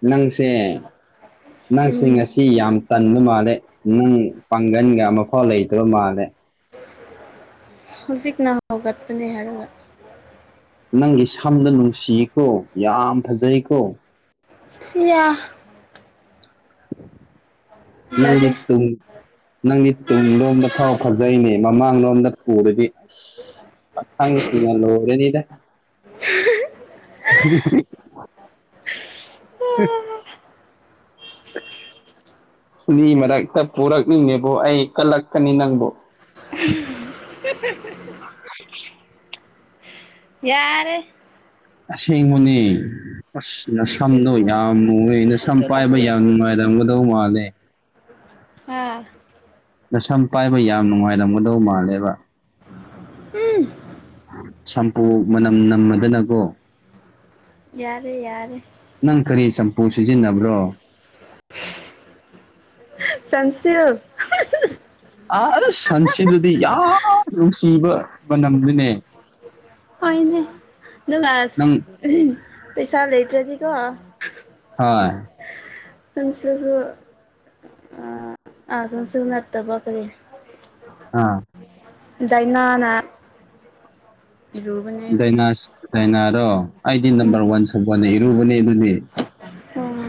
ꯅꯪꯁꯦ ꯅꯪꯁꯦ ꯎꯝ ꯉꯁꯤ [unintelligible] ꯁꯤ ꯌꯥꯝ ꯇꯟꯕ ꯃꯥꯜꯂꯦ ꯅꯪ ꯄꯥꯡꯒꯟꯒ ꯑꯃꯐꯥꯎ ꯂꯩꯇꯕ ꯃꯥꯜꯂꯦ [unintelligible] [inaudible] ꯍꯧꯖꯤꯛꯅ ꯍꯧꯒꯠꯄꯅꯦ ꯍꯥꯏꯔꯒ ꯅꯪꯒꯤ ꯁꯝꯗꯣ ꯅꯨꯡꯁꯤꯀꯣ ꯌꯥꯝ ꯐꯖꯩꯀꯣ ꯁꯤꯌꯥ [unintelligible] ꯅꯪꯗꯤ ꯌꯥꯗꯦ ꯇꯨꯡ ꯅꯪꯗꯤ ꯇꯨꯡꯂꯣꯝꯗ ꯐꯥꯎ ꯐꯖꯩꯅꯦ ꯃꯃꯥꯡꯂꯣꯝꯗ ꯎꯔꯗꯤ [unintelligible] ꯄꯈꯪ ꯁꯤꯡꯅ ꯂꯣꯏꯔꯅꯤꯗ [unintelligible] [unintelligible] ꯃꯤ ꯃꯔꯛꯇ ꯄꯨꯔꯛꯅꯤꯡꯗꯦꯕꯨ ꯑꯩ ꯀꯜꯂꯛꯀꯅꯤ ꯅꯪꯕꯨ [unintelligible] ꯌꯥꯔꯦ ꯑꯁꯦꯡꯕꯅꯦ ꯑꯁ ꯅꯁꯝꯗꯣ ꯌꯥꯝ ꯃꯨꯋꯦ ꯅꯁꯝ ꯄꯥꯏꯕ ꯌꯥꯝ ꯅꯨꯡꯉꯥꯏꯔꯝꯒꯗꯧ ꯃꯥꯜꯂꯦ ꯍꯥ ꯅꯁꯝ ꯄꯥꯏꯕ ꯌꯥꯝ ꯅꯨꯡꯉꯥꯏꯔꯝꯒꯗꯧ ꯃꯥꯜꯂꯦꯕ [unintelligible] ꯁꯝꯄꯨ ꯃꯅꯝ ꯅꯝꯃꯗꯅꯀꯣ ꯌꯥꯔꯦ ꯌꯥꯔꯦ ꯅꯪ ꯀꯔꯤ ꯆꯝꯄꯨ ꯁꯤꯖꯤꯟꯅꯕ꯭ꯔꯣ ꯁꯟꯁꯤꯜ ꯑꯁ ꯁꯟꯁꯤꯜꯗꯨꯗꯤ ꯌꯥꯝ ꯅꯨꯡꯁꯤꯕ ꯃꯅꯝꯅꯤꯅꯦ ꯍꯣꯏꯅꯦ ꯗꯨꯅ ꯑꯁ ꯅꯪ ꯄꯩꯁꯥ ꯂꯩꯇ꯭ꯔꯥꯗꯤꯀꯣ ꯍꯣꯏ ꯁꯪꯁꯤꯜꯁꯨ ꯑꯥ ꯑꯥ ꯁꯟꯁꯤꯜ ꯅꯠꯇꯕ ꯀꯔꯤ ꯑꯥ ꯗꯥꯏꯅꯥꯅ ꯏꯔꯨꯕꯅꯦ ꯑꯩꯗꯤ ꯗꯩꯅꯥꯁꯨ ꯗꯩꯅꯥꯔꯣ ꯑꯩꯗꯤ ꯅꯝꯕꯔ ꯎꯝ ꯋꯥꯟ ꯁꯕꯣꯟꯅ ꯏꯔꯨꯕꯅꯦ ꯑꯗꯨꯗꯤ ꯎꯝ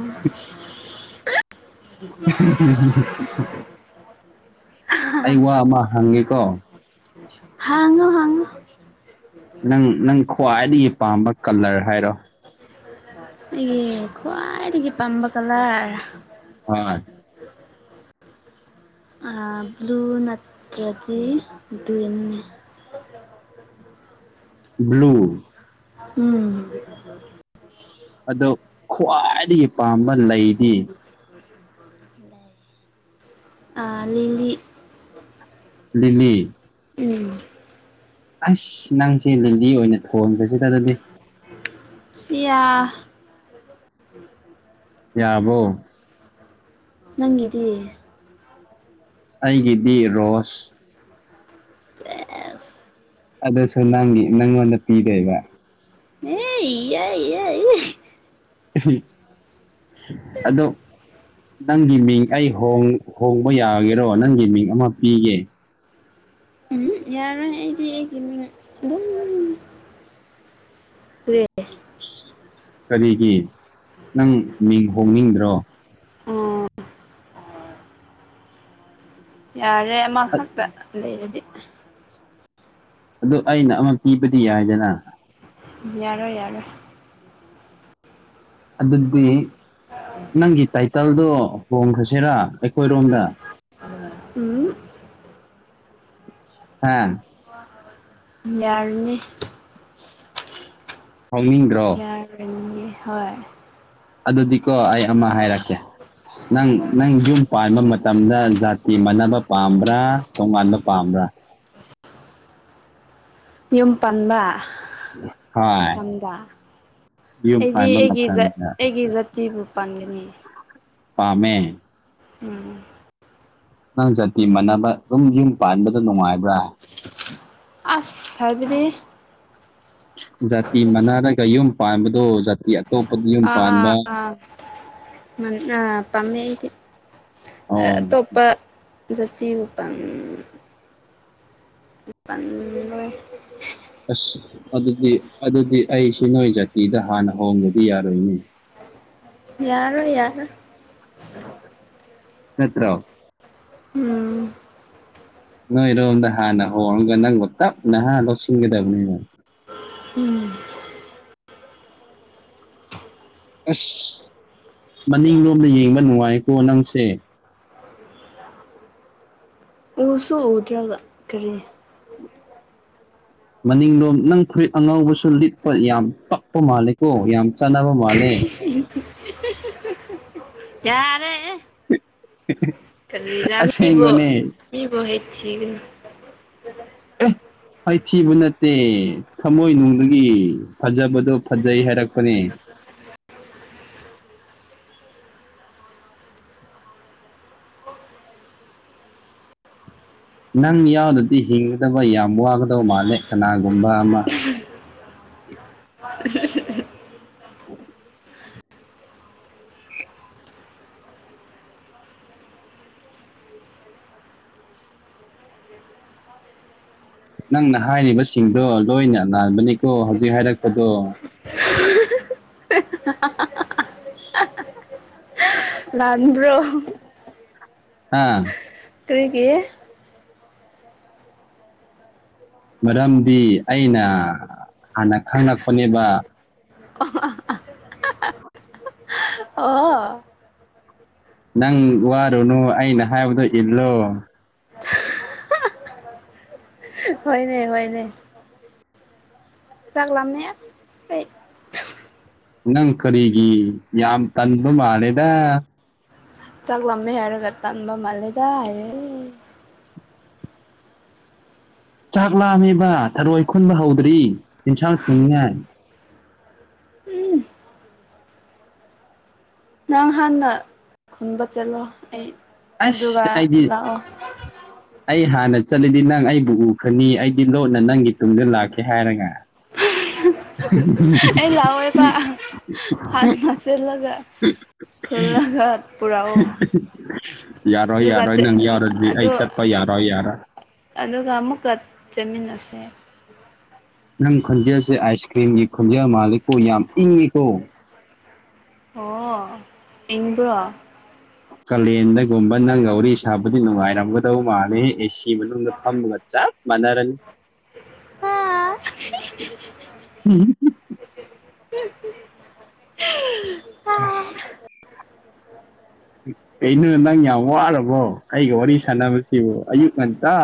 [unintelligible] ꯑꯩ ꯋꯥ ꯑꯃ ꯍꯪꯒꯦꯀꯣ ꯍꯥꯡꯉꯣ ꯍꯥꯡꯉꯣ ꯅꯪ ꯅꯪ ꯈ꯭ꯋꯥꯏꯗꯒꯤ ꯄꯥꯝꯕ ꯀꯂꯔ ꯍꯥꯏꯔꯣ ꯑꯩꯒꯤ ꯈ꯭ꯋꯥ ꯈ꯭ꯋꯥꯏꯗꯒꯤ ꯄꯥꯝꯕ ꯀꯂꯔ [unintelligible] ꯑꯥ ꯕ꯭ꯂꯨ ꯅꯠꯇ꯭ꯔꯗꯤ ꯒ꯭ꯔꯤꯟꯅꯦ [unintelligible] ꯕ꯭ꯂꯨ ꯎꯝ ꯑꯗꯨ ꯈ꯭ꯋꯥꯏꯗꯒꯤ ꯄꯥꯝꯕ ꯂꯩꯗꯤ ꯂꯩ ꯑꯥ ꯂꯤꯂꯤ ꯂꯤꯂꯤ ꯎꯝ ꯑꯁ ꯅꯪꯁꯦ ꯂꯤꯂꯤ ꯑꯣꯏꯅ ꯊꯣꯟꯕꯁꯤꯗ ꯑꯗꯨꯗꯤ ꯁꯤꯌꯥ ꯌꯥꯔꯕꯣ ꯅꯪꯒꯤꯗꯤ ꯑꯩꯒꯤꯗꯤ ꯔꯣꯁ ꯁꯦꯁ ꯑꯗꯨꯁꯨ ꯅꯪꯒꯤ ꯅꯪꯉꯣꯟꯗ ꯄꯤꯗꯣꯏꯕ ꯑꯩ ꯌꯥꯏ ꯌꯥꯏ [unintelligible] ꯑꯗꯨ ꯅꯪꯒꯤ ꯃꯤꯡ ꯑꯩ ꯍꯣꯡ ꯍꯣꯡꯕ ꯌꯥꯒꯦꯔꯣ ꯅꯪꯒꯤ ꯃꯤꯡ ꯑꯃ ꯄꯤꯒꯦ ꯎꯝ ꯌꯥꯔꯣꯏ ꯑꯩꯗꯤ ꯑꯩꯒꯤ ꯃꯤꯉ ꯑꯗꯨꯝ ꯗ ꯀꯔꯤꯒꯤ ꯅꯪ ꯃꯤꯡ ꯍꯣꯡꯅꯤꯡꯗ꯭ꯔꯣ ꯑꯥ ꯌꯥꯔꯦ ꯑ- ꯑꯃꯈꯛꯇ ꯂꯩꯔꯗꯤ ꯑꯗꯨꯗ ꯑꯩꯅ ꯑꯃ ꯄꯤꯕꯗꯤ ꯌꯥꯏꯗꯅ ꯌꯥꯔꯣꯏ ꯌꯥꯔꯣꯏ ꯑꯗꯨꯗꯤ ꯅꯪꯒꯤ ꯇꯥꯏꯇꯜꯗꯣ ꯍꯣꯡꯈ꯭ꯔꯁꯤꯔꯥ ꯑꯩꯈꯣꯏꯔꯣꯝꯗ ꯎꯝ ꯑꯥ ꯌꯥꯔꯤꯅꯤ ꯐꯥꯎꯅꯤꯡꯗ꯭ꯔꯣ ꯌꯥꯔꯅꯤ ꯍꯣꯏ ꯑꯗꯨꯗꯤꯀꯣ ꯑꯩ ꯑꯃ ꯍꯥꯏꯔꯛꯀꯦ ꯅꯪ ꯅꯪ ꯌꯨꯝ ꯄꯥꯟꯕ ꯃꯇꯝꯗ ꯖꯥꯇꯤ ꯃꯥꯟꯅꯕ ꯄꯥꯝꯕ꯭ꯔꯥ ꯇꯣꯉꯥꯟꯕ ꯄꯥꯝꯕ꯭ꯔꯥ ꯌꯨꯝ ꯄꯥꯟꯕ ꯍꯣꯏ ꯃꯇꯝꯗ ꯌꯨꯝ ꯑꯩꯗꯤ ꯄꯥꯟꯕ ꯑꯩꯒꯤ ꯖꯠ ꯃꯇꯝꯗ ꯑꯩꯒꯤ ꯖꯥꯇꯤꯕꯨ ꯄꯥꯟꯒꯅꯤ ꯄꯥꯝꯃꯦ ꯎꯝ ꯅꯪ ꯖꯥꯇꯤ ꯃꯥꯟꯅꯕ ꯑꯗꯨꯝ ꯌꯨꯝ ꯄꯥꯟꯕꯗ ꯅꯨꯡꯉꯥꯏꯕ꯭ꯔꯥ ꯁꯕꯔꯤ [unintelligible] ꯖꯥꯇꯤ ꯃꯅꯥꯔꯒ ꯌꯨꯝ ꯄꯥꯟꯕꯗꯣ ꯖꯥꯇꯤ ꯑꯇꯣꯞꯄꯗ ꯌꯨꯝ ꯄꯥꯟꯕ ꯑ ꯑꯣ ꯄꯝꯃꯦꯗꯤꯇꯣꯞꯄ ꯖꯇꯤ ꯄꯥꯝ ꯄꯜꯂꯣꯏ ꯑꯁ ꯑꯗꯨꯗꯤ ꯑꯗꯨꯗꯤ ꯑꯩꯁꯤ ꯅꯣꯏ ꯖꯥꯇꯤꯗ ꯍꯥꯟꯅ ꯍꯣꯡꯒꯗꯤ ꯌꯥꯔꯣꯏꯅꯤ ꯌꯥꯔꯔꯣꯏ ꯌꯔꯣꯏ ꯅꯠꯇ꯭ꯔꯣ ꯎꯝ ꯅꯣꯏꯔꯣꯝꯗ ꯍꯥꯟꯅ ꯍꯣꯡꯔꯝꯒ ꯅꯪꯒ ꯇꯞ ꯅꯍꯥꯟ ꯂꯧꯁꯤꯟꯒꯗꯕꯅꯤꯅ ꯎꯝ ꯑꯁ ꯃꯅꯤꯡ ꯂꯣꯝꯗ ꯌꯦꯡꯕ ꯅꯨꯡꯉꯥꯏꯀꯣ ꯅꯪꯁꯦ ꯎꯁꯨ ꯎꯗ꯭ꯔꯕ ꯀꯔꯤ ꯃꯅꯤꯡꯂꯣꯝ ꯅꯪ ꯐꯨꯔꯤꯠ ꯑꯉꯧꯕꯁꯨ ꯂꯤꯠꯄ ꯌꯥꯝ ꯄꯛꯄ ꯃꯥꯜꯂꯦꯀꯣ ꯌꯥꯝ ꯆꯥꯟꯅꯕ ꯃꯥꯜꯂꯦ ꯀꯌꯥꯔꯦ ꯀꯔꯤꯔ ꯃꯤꯕꯨ ꯑꯁꯦꯡꯕꯅꯦ ꯃꯤꯕꯨ ꯍꯩꯊꯤꯒꯅꯨ ꯑꯦ ꯑꯩꯩꯊꯤꯕꯨ ꯅꯠꯇꯦ ꯊꯃꯣꯏꯅꯨꯡꯒꯤ ꯐꯖꯕꯗꯣ ꯐꯖꯩ ꯍꯥꯏꯔꯛꯄꯅꯦ ꯅꯪ ꯌꯥꯎꯗꯗꯤ ꯍꯤꯡꯒꯗꯕ ꯌꯥꯝ ꯋꯥꯒꯗꯕ ꯃꯥꯜꯂꯦ ꯀꯅꯥꯒꯨꯝꯕ ꯑꯃ ꯅꯪꯅ ꯍꯥꯏꯔꯤꯕꯁꯤꯡꯗꯣ ꯂꯣꯏꯅ ꯅꯥꯟꯕꯅꯤꯀꯣ ꯍꯧꯖꯤꯛ ꯍꯥꯏꯔꯛꯄꯗꯣ ꯂꯥꯟꯕꯕ꯭ꯔꯣ ꯑ ꯀꯔꯤꯒꯤ ꯃꯔꯝꯗꯤ ꯑꯩꯅ ꯍꯥꯟꯅ ꯈꯪꯉꯛꯄꯅꯦꯕ ꯑꯣ ꯑꯣ ꯅꯪ ꯋꯥꯔꯨꯅꯨ ꯑꯩꯅ ꯍꯥꯏꯕꯗꯣ ꯏꯜꯂꯣ ꯍꯣꯏꯅꯦ ꯍꯣꯏꯅꯦ ꯆꯥꯛ ꯂꯥꯝꯅꯦ ꯑꯁ ꯑꯩ ꯅꯪ ꯀꯔꯤꯒꯤ ꯌꯥꯝ ꯇꯟꯕ ꯃꯥꯜꯂꯦꯗ ꯆꯥꯛꯂꯝꯃꯤꯃꯦ ꯍꯥꯏꯔ ꯌꯥꯝ ꯇꯟꯕ ꯃꯜꯂꯦꯗ ꯍꯥꯏꯌꯦ ꯆꯥꯛ ꯂꯥꯝꯃꯤꯕ ꯊꯔꯣꯏ ꯈꯨꯟꯕ ꯍꯧꯗ꯭ꯔꯤ ꯏꯟꯁꯥꯡ ꯊꯣꯡꯅꯤꯡꯉꯥꯏ ꯎꯝ ꯅꯪ ꯍꯥꯟꯅ ꯈꯨꯟꯕ ꯆꯠꯂꯣ ꯑꯩ ꯑꯗꯨꯒ ꯑꯁ ꯑꯩꯗꯤ ꯂꯥꯛꯑꯣ ꯑꯩ ꯍꯥꯟꯅ ꯆꯠꯂꯤꯗꯤ ꯅꯪ ꯑꯩꯕꯨ ꯎ ꯐꯅꯤ ꯑꯩꯗꯤ ꯂꯣꯠꯅ ꯅꯪꯒꯤ ꯇꯨꯡꯗ ꯂꯥꯛꯀꯦ ꯍꯥꯏꯔꯒ ꯎ ꯑꯩ ꯂꯥꯛꯑꯣꯏꯕ ꯍꯥꯟꯅ ꯆꯦꯜꯂꯒ ꯈꯨꯜꯂꯒ ꯄꯨꯔꯑꯣ ꯌꯥꯔꯣꯏ ꯌꯥꯔꯣꯏ ꯅꯪ ꯌꯥꯎꯔꯗꯤ ꯑꯩ ꯆꯠꯄ ꯌꯥꯔꯣꯏ ꯌꯥꯔꯣꯏ ꯑꯗꯨꯒ ꯑꯃꯨꯛꯀ ꯆꯠꯃꯤꯟꯅꯁꯦ ꯅꯪ ꯈꯣꯟꯖꯦꯜꯁꯦ ꯑꯥꯏꯁ ꯀ꯭ꯔꯤꯝꯒꯤ ꯈꯣꯟꯖꯦꯜ ꯃꯥꯂꯦꯀꯣ ꯌꯥꯝ ꯏꯪꯉꯤꯀꯣ ꯑꯣ__ ꯏꯡꯕ꯭ꯔꯣ? ꯀꯥꯂꯦꯟꯗꯒꯨꯝꯕ ꯅꯪꯒ ꯋꯥꯔꯤ ꯁꯥꯕꯗꯤ ꯅꯨꯡꯉꯥꯏꯔꯝꯒꯗꯧ ꯃꯥꯜꯂꯦ ꯑꯦꯁꯤ ꯃꯅꯨꯡꯗ ꯐꯝꯃꯒ ꯆꯞ__ ꯃꯥꯟꯅꯔꯅꯤ [unintelligible] ꯎꯝ [inaudible] ꯀꯩꯅꯣ ꯅꯪ ꯌꯥꯝ ꯋꯥꯔꯕꯣ ꯑꯩꯒ ꯋꯥꯔꯤ ꯁꯥꯟꯅꯕꯁꯤꯕꯨ ꯑꯌꯨꯛ ꯉꯟꯇꯥ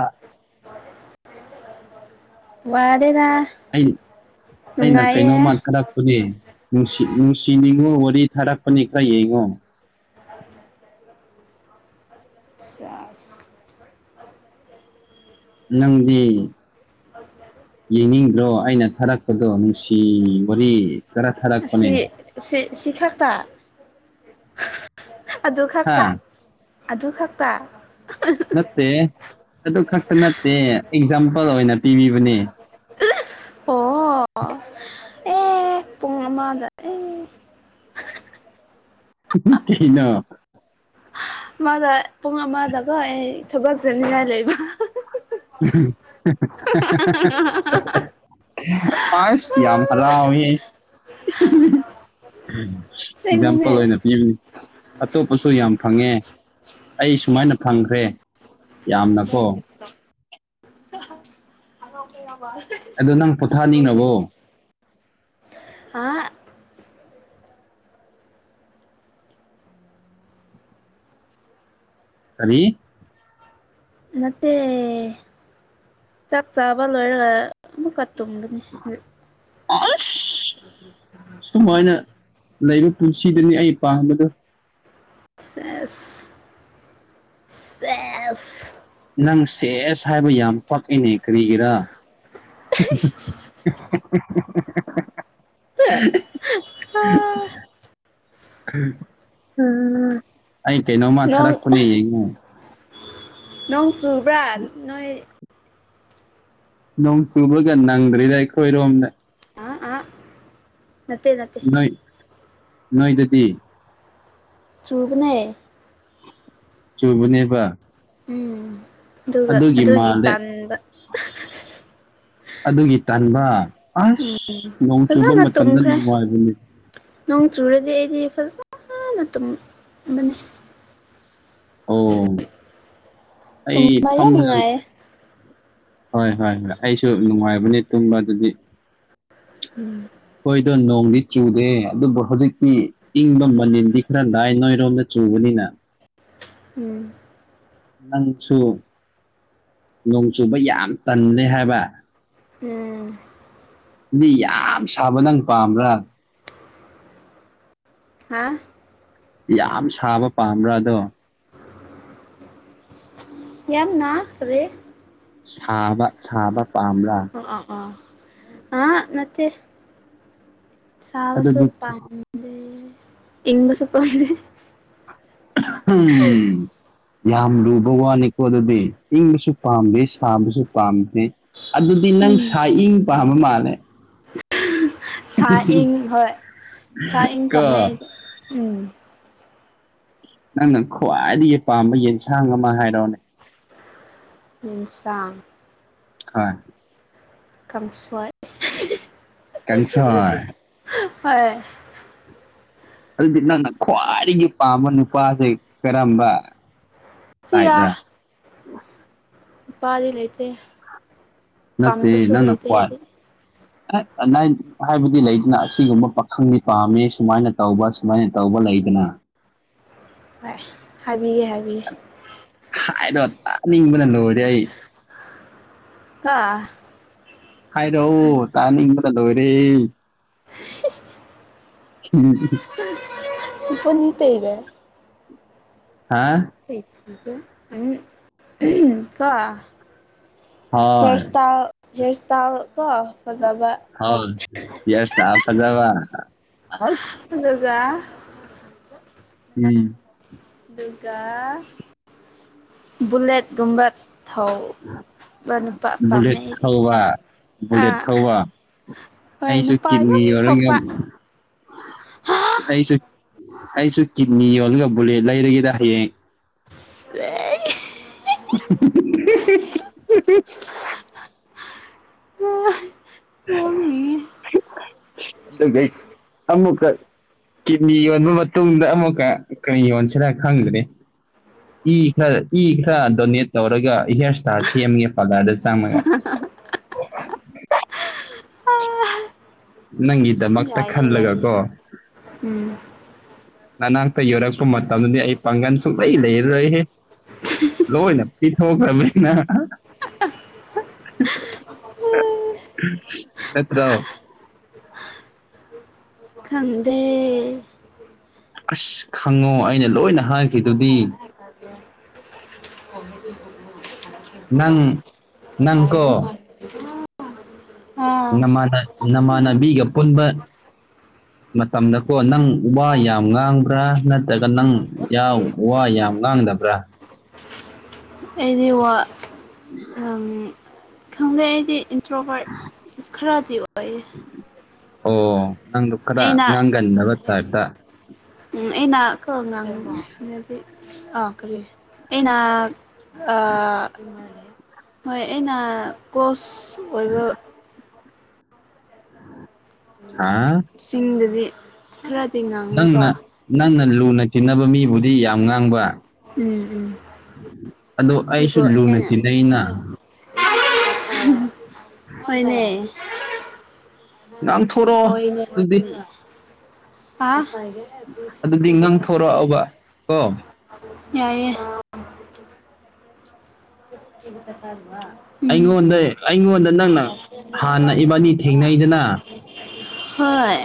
ꯋꯥꯗꯦꯗ ꯑꯩ ꯑꯩꯅ ꯀꯩꯅꯣꯝꯃ ꯅꯨꯡꯉꯥꯏꯌꯦ ꯊꯔ ꯅꯨꯡꯁꯤ ꯅꯨꯡꯁꯤꯅꯤꯉꯣ ꯋꯥꯔꯤ ꯊꯥꯔꯛꯄꯅꯤ ꯈꯔꯌꯡꯉꯣ ꯆꯥꯁ ꯅꯪꯗꯤ [inaudible] ꯌꯦꯡꯅꯤꯡꯗ꯭ꯔꯣ ꯑꯩꯅ ꯊꯥꯔꯛꯄꯗꯣ ꯅꯨꯡꯁꯤ ꯋꯥꯔꯤ ꯈꯔ ꯊꯥꯔꯛꯄꯅꯦ ꯑꯁꯤ ꯁꯤ ꯁꯤ ꯈꯥꯛꯇ ꯑꯗꯨ ꯍꯥ ꯈꯛꯇ ꯑꯗꯨ ꯈꯛꯇ__ ꯅꯠꯇꯦ ꯑꯗꯨ ꯈꯛꯇ ꯅꯠꯇꯦ ꯑꯦꯛꯖꯥꯝꯄꯜ ꯑꯣꯏꯅ ꯄꯤꯕꯤꯕꯅꯦ ꯑꯣ ꯑꯦ ꯄꯨꯡꯑꯃꯥꯗ ꯑꯦ ꯊꯅ [unintelligible] ꯃꯥꯗ ꯄꯨꯡ ꯑꯃꯗꯀꯣ ꯑꯩ ꯊꯕꯛ ꯆꯅꯤꯡꯉꯥꯏ ꯂꯩꯕ [unintelligible] ꯑꯥꯏꯁ ꯌꯥꯝ ꯍꯔꯥꯎꯌꯦ [unintelligible] ꯑꯁꯦꯡꯕꯅꯦ ꯑꯦꯛꯖꯥꯝꯄꯜ ꯑꯣꯏꯅ ꯄꯤꯕ ꯑꯇꯣꯞꯄꯁꯨ ꯌꯥꯝ ꯐꯪꯉꯦ ꯑꯩ ꯁꯨꯃꯥꯏꯅ ꯐꯪꯈ꯭ꯔꯦ ꯌꯥꯝꯅꯀꯣ ꯋꯥ [inaudible] ꯑꯗꯣ ꯅꯪ ꯄꯣꯊꯥꯅꯤꯡꯔꯕꯣ ꯑꯥ ꯀꯔꯤ ꯅꯠꯇꯦ ꯆꯥꯛ ꯆꯥꯕ ꯂꯣꯏꯔꯒ ꯑꯃꯨꯛꯀ ꯇꯨꯝꯕꯅꯤ ꯑꯁ! ꯁꯨꯃꯥꯏꯅ ꯂꯩꯕ ꯄꯨꯟꯁꯤꯗꯨꯅꯤ ꯑꯩ ꯄꯥꯝꯕꯗꯣ ꯁꯦꯁ ꯁꯦꯁ! ꯅꯪ ꯁꯦꯁ ꯍꯥꯏꯕ ꯌꯥꯝ ꯄꯛꯏꯅꯦ ꯀꯔꯤꯒꯤꯔꯥ? [inaudible] ꯁꯦꯁ ꯎꯝ [inaudible] ꯑꯩ ꯀꯩꯅꯣꯃ ꯅꯣꯡ ꯊꯥꯔꯛꯄꯅꯦ ꯌꯦꯡꯉꯣ ꯅꯣꯡ ꯆꯨꯕ꯭ꯔꯥ ꯅꯣꯏ ꯅꯣꯡ ꯆꯨꯕꯒ ꯅꯪꯗ꯭ꯔꯦꯗ ꯑꯩꯈꯣꯏꯔꯣꯝꯗ ꯑ ꯑ ꯅꯠꯇꯦ ꯅꯠꯇꯦ ꯅꯣꯏ ꯅꯣꯏꯗꯗꯤ ꯆꯨꯕꯅꯦ ꯆꯨꯕꯅꯦꯕ ꯎꯝ ꯑꯗꯨꯒ ꯑꯗꯨꯒꯤ ꯇꯟꯕ ꯑꯗꯨꯒꯤ ꯇꯟꯕ ꯎꯝ ꯑꯁ ꯅꯣꯡ ꯆꯨꯕ ꯐꯖꯅ ꯃꯇꯝꯗ ꯇꯨꯝꯈ꯭ꯔꯦ ꯅꯨꯡꯉꯥꯏꯕꯅꯤ ꯅꯣꯡ ꯆꯨꯔꯗꯤ ꯑꯩꯗꯤ ꯐꯖꯅ ꯇꯨꯝꯕꯅꯦ ꯑꯣ ꯑꯩ ꯇꯨꯝꯕ ꯌꯥꯝ ꯐꯥꯝꯃꯒ ꯅꯨꯡꯉꯥꯏꯌꯦ ꯍꯣꯏ ꯍꯣꯏ ꯍꯣꯏ ꯑꯩꯁꯨ ꯅꯨꯡꯉꯥꯏꯕꯅꯦ ꯇꯨꯝꯕ ꯑꯗꯨꯗꯤ ꯎꯝ ꯍꯣꯏꯗꯣ ꯅꯣꯡꯗꯤ ꯆꯨꯗꯦ ꯑꯗꯨꯕꯨ ꯍꯧꯖꯤꯛꯇꯤ ꯏꯪꯕ ꯃꯅꯤꯟꯗꯤ ꯈꯔ ꯂꯥꯏ ꯅꯣꯏꯔꯣꯝꯗ ꯆꯨꯕꯅꯤꯅ ꯎꯝ ꯅꯪꯁꯨ ꯅꯣꯡ ꯆꯨꯕ ꯌꯥꯝ ꯇꯟꯅꯦ ꯍꯥꯏꯕ ꯎꯝ ꯑꯗꯨꯗꯤ ꯌꯥꯝ ꯁꯥꯕ ꯅꯪ ꯄꯥꯝꯕ꯭ꯔꯥ ꯍꯥꯥ ꯌꯥꯝ ꯁꯥꯕ ꯄꯥꯝꯕ꯭ꯔꯥ ꯑꯗꯣ ꯌꯥꯝꯅ ꯀꯔꯤ ꯁꯥꯕ ꯁꯥꯕ ꯄꯥꯝꯕ꯭ꯔꯥ ꯑꯣ ꯑ ꯑꯣ ꯑ ꯅꯠꯇꯦ ꯆꯕꯁꯨ ꯑꯗꯨꯗꯤ ꯄꯝ ꯑ ꯏꯪꯕꯁꯨ ꯄꯝꯇꯦ ꯎꯝ [inaudible] ꯌꯥꯝ ꯂꯨꯕ ꯋꯥꯅꯤꯀꯣ ꯑꯗꯨꯗꯤ ꯏꯪꯕꯁꯨ ꯄꯥꯝꯗꯦ ꯁꯥꯕꯁꯨ ꯄꯥꯝꯗꯦ ꯑꯗꯨꯗꯤ ꯅꯪ ꯁꯥ ꯏꯪ ꯄꯥꯝꯕ ꯃꯥꯜꯂꯦ ꯁꯥ ꯏꯪ ꯍꯣꯏ ꯁꯥ ꯏꯪ ꯄꯥꯝꯃꯦ ꯀꯣ ꯎꯝ ꯅꯪꯅ ꯈ꯭ꯋꯥꯏꯗꯒꯤ ꯄꯥꯝꯕ ꯌꯦꯟꯁꯥꯡ ꯑꯃ ꯍꯥꯏꯔꯣꯅꯦ ꯏꯟꯁꯥꯡ ꯍꯣꯢ ꯀꯪꯁꯣꯢ ꯀꯪꯁꯣꯢ ꯍꯣꯏ ꯑꯗꯨꯗꯤ ꯅꯪꯅ ꯈ꯭ꯋꯥꯏꯗꯒꯤ ꯄꯥꯝꯕ ꯅꯨꯄꯥꯁꯦ ꯀꯔꯝꯕ ꯁꯤꯌꯥ ꯇꯥꯏꯞꯔꯥ ꯅꯨꯄꯥꯗꯤ ꯂꯩꯇꯦ ꯅꯠꯇꯦ ꯄꯥꯝꯕꯁꯨ ꯅꯪꯅ ꯂꯩꯇꯦ ꯈꯋꯥꯢ ꯑꯩꯗꯤ ꯅꯥꯠ ꯍꯥꯏꯕꯗꯤ ꯂꯩꯗꯅ ꯑꯁꯤꯒꯨꯝꯕ ꯄꯥꯈꯪꯗꯤ ꯄꯥꯝꯃꯤ ꯁꯨꯃꯥꯏꯅ ꯇꯧꯕ ꯁꯨꯃꯥꯏꯅ ꯇꯧꯕ ꯂꯩꯗꯅ ꯍꯣꯢ ꯍꯥꯏꯕꯤꯒꯦ ꯍꯥꯏꯕꯤꯒꯦ ꯍꯥꯏꯔꯣ ꯇꯥꯅꯤꯡꯕꯅ ꯂꯣꯏꯔꯦ ꯑꯩ ꯍꯥꯏꯔꯛꯑꯣ ꯇꯥꯅꯤꯡꯕꯗ ꯂꯣꯏꯔꯦ [inaudible] ꯎꯝ [inaudible] ꯄꯨꯅꯤꯠꯇ ꯏꯕ [inaudible] ꯍꯥ ꯑ ꯀ [inaudible] ꯍꯣꯏ ꯍꯦꯔ ꯁꯇꯥꯏꯜ [inaudible] ꯍꯦꯔ ꯁꯇꯥꯏꯜ ꯀꯣ ꯐꯖꯥꯕ ꯍꯑꯣ ꯍꯤꯔ ꯢꯁꯇꯥꯜ ꯐꯖꯕ ꯑꯁ ꯑꯗꯨꯒ ꯆ [inaudible] ꯎꯝ ꯑꯗꯨꯒ ꯕꯨꯂꯦꯠꯀꯨꯝꯕ ꯄꯥꯝꯃꯦ ꯕꯨꯂꯦꯠ ꯑꯩꯗꯤ ꯊꯧꯋꯥ ꯕꯨꯂꯦꯠ ꯑꯥ ꯊꯧꯋꯥ ꯍꯣꯏ ꯑꯩꯁꯨ ꯅꯨꯄꯥ ꯀꯤꯠꯅꯤ ꯌꯥꯝ ꯌꯥꯎꯔ ꯊꯣꯛꯄ ꯑꯩꯁꯨ ꯑꯩꯁꯨ ꯀꯤꯠꯅꯤ ꯌꯣꯜꯂꯒ ꯕꯨꯂꯦꯠ ꯂꯩꯔꯒꯦꯗ ꯍꯌꯦꯡ ꯑꯦ [inaudible] ꯑꯣ ꯑꯗꯨ ꯑꯃꯃꯨꯀ ꯀꯤꯠꯅꯤ ꯌꯣꯟꯕ ꯃꯇꯨꯡꯗ ꯑꯃꯨꯛꯀ ꯀꯔꯤ ꯌꯣꯟꯁꯤꯔꯥ ꯈꯪꯒꯅꯤ ꯏ ꯈꯔ ꯏ ꯈꯔ ꯗꯣꯅꯦꯠ ꯇꯧꯔꯒ ꯍꯤꯌꯥꯔ ꯏꯁꯇꯥꯏꯜ ꯁꯦꯝꯒꯦ ꯄꯥꯔꯂꯔꯗꯁꯨ [unintelligible] ꯑ ꯅꯪꯒꯤꯗꯃꯛꯇ ꯈꯜꯂꯒ ꯀꯣ ꯎꯝ ꯅꯅꯥꯛꯇ ꯌꯧꯔꯛꯄ ꯃꯇꯝꯗꯗꯤ ꯑꯩ ꯄꯥꯡꯒꯜ ꯁꯨꯡꯛꯂꯩ ꯂꯩꯔꯔꯣꯏ ꯂꯣꯏꯅ ꯄꯤꯊꯣꯛꯈ꯭ꯔꯕꯅꯤꯅ ꯅꯠꯇ꯭ꯔ ꯈꯪꯗꯦ ꯑꯁ ꯈꯪꯉꯣ ꯑꯩꯅ ꯂꯣꯏꯅ ꯍꯥꯏꯈꯤꯗꯨꯗꯤ ꯀꯗꯤ ꯅꯪ ꯇꯥꯏꯔ ꯅꯪꯀꯣ ꯍ ꯅꯃꯥꯟꯅ ꯅꯃꯥꯟꯅꯕꯤꯒ ꯄꯨꯟꯕ ꯃꯇꯝꯗꯀꯣ ꯅꯪ ꯋꯥ ꯌꯥꯝ ꯉꯥꯡꯕ꯭ꯔꯥ ꯅꯠꯇ꯭ꯔꯒ ꯅꯪ ꯋꯥ ꯌꯥꯝ ꯉꯥꯡꯗꯕ꯭ꯔꯥ ꯎ ꯑꯗꯤ ꯋꯥ ꯎꯝ ꯈꯪꯗꯦ ꯑꯩꯗꯤ ꯏꯟꯇ꯭ꯔꯣ ꯄꯔꯠ ꯈꯔꯗꯤ ꯑꯣꯏꯌꯦ ꯑꯣ ꯅꯪꯗꯣ ꯈꯔ ꯑꯩꯅ ꯉꯥꯡꯒꯟꯅꯕ ꯇꯥꯏꯞꯇ ꯎꯝ ꯑꯦꯟꯅ ꯀꯉ ꯎ ꯑꯥ ꯀ ꯑꯩꯅ ꯍꯣꯏ ꯑꯩꯅ ꯀꯣꯁ ꯑꯣꯏꯕ ꯍꯥꯥ ꯁꯤꯡꯗꯗꯤ ꯈꯔꯗꯤ ꯉꯥꯡꯉꯦꯀꯣ ꯅꯪꯅ ꯅꯪꯅ ꯂꯨꯅ ꯇꯤꯟꯅꯕ ꯃꯤꯕꯨꯗꯤ ꯌꯥꯝ ꯉꯥꯡꯕ ꯎꯝ ꯎꯝ ꯑꯗꯣ ꯑꯩꯁꯨ ꯂꯨꯅ ꯇꯤꯟꯅꯩꯅ ꯍꯅꯦ ꯉꯥꯡꯊꯣꯔꯛꯑꯣ ꯑꯗꯨꯗꯤ ꯑꯦ ꯑꯗꯨꯗꯤ ꯉꯥꯡꯊꯣꯔꯛꯑꯣꯕ ꯀꯣ ꯌꯥꯏꯦ ꯑꯩꯉꯣꯟꯗ ꯑꯩꯉꯣꯟꯗ ꯅꯪꯅ ꯍꯥꯟꯅ ꯏꯕꯥꯅꯤ ꯊꯦꯡꯅꯩꯗꯅ ꯍꯣꯏ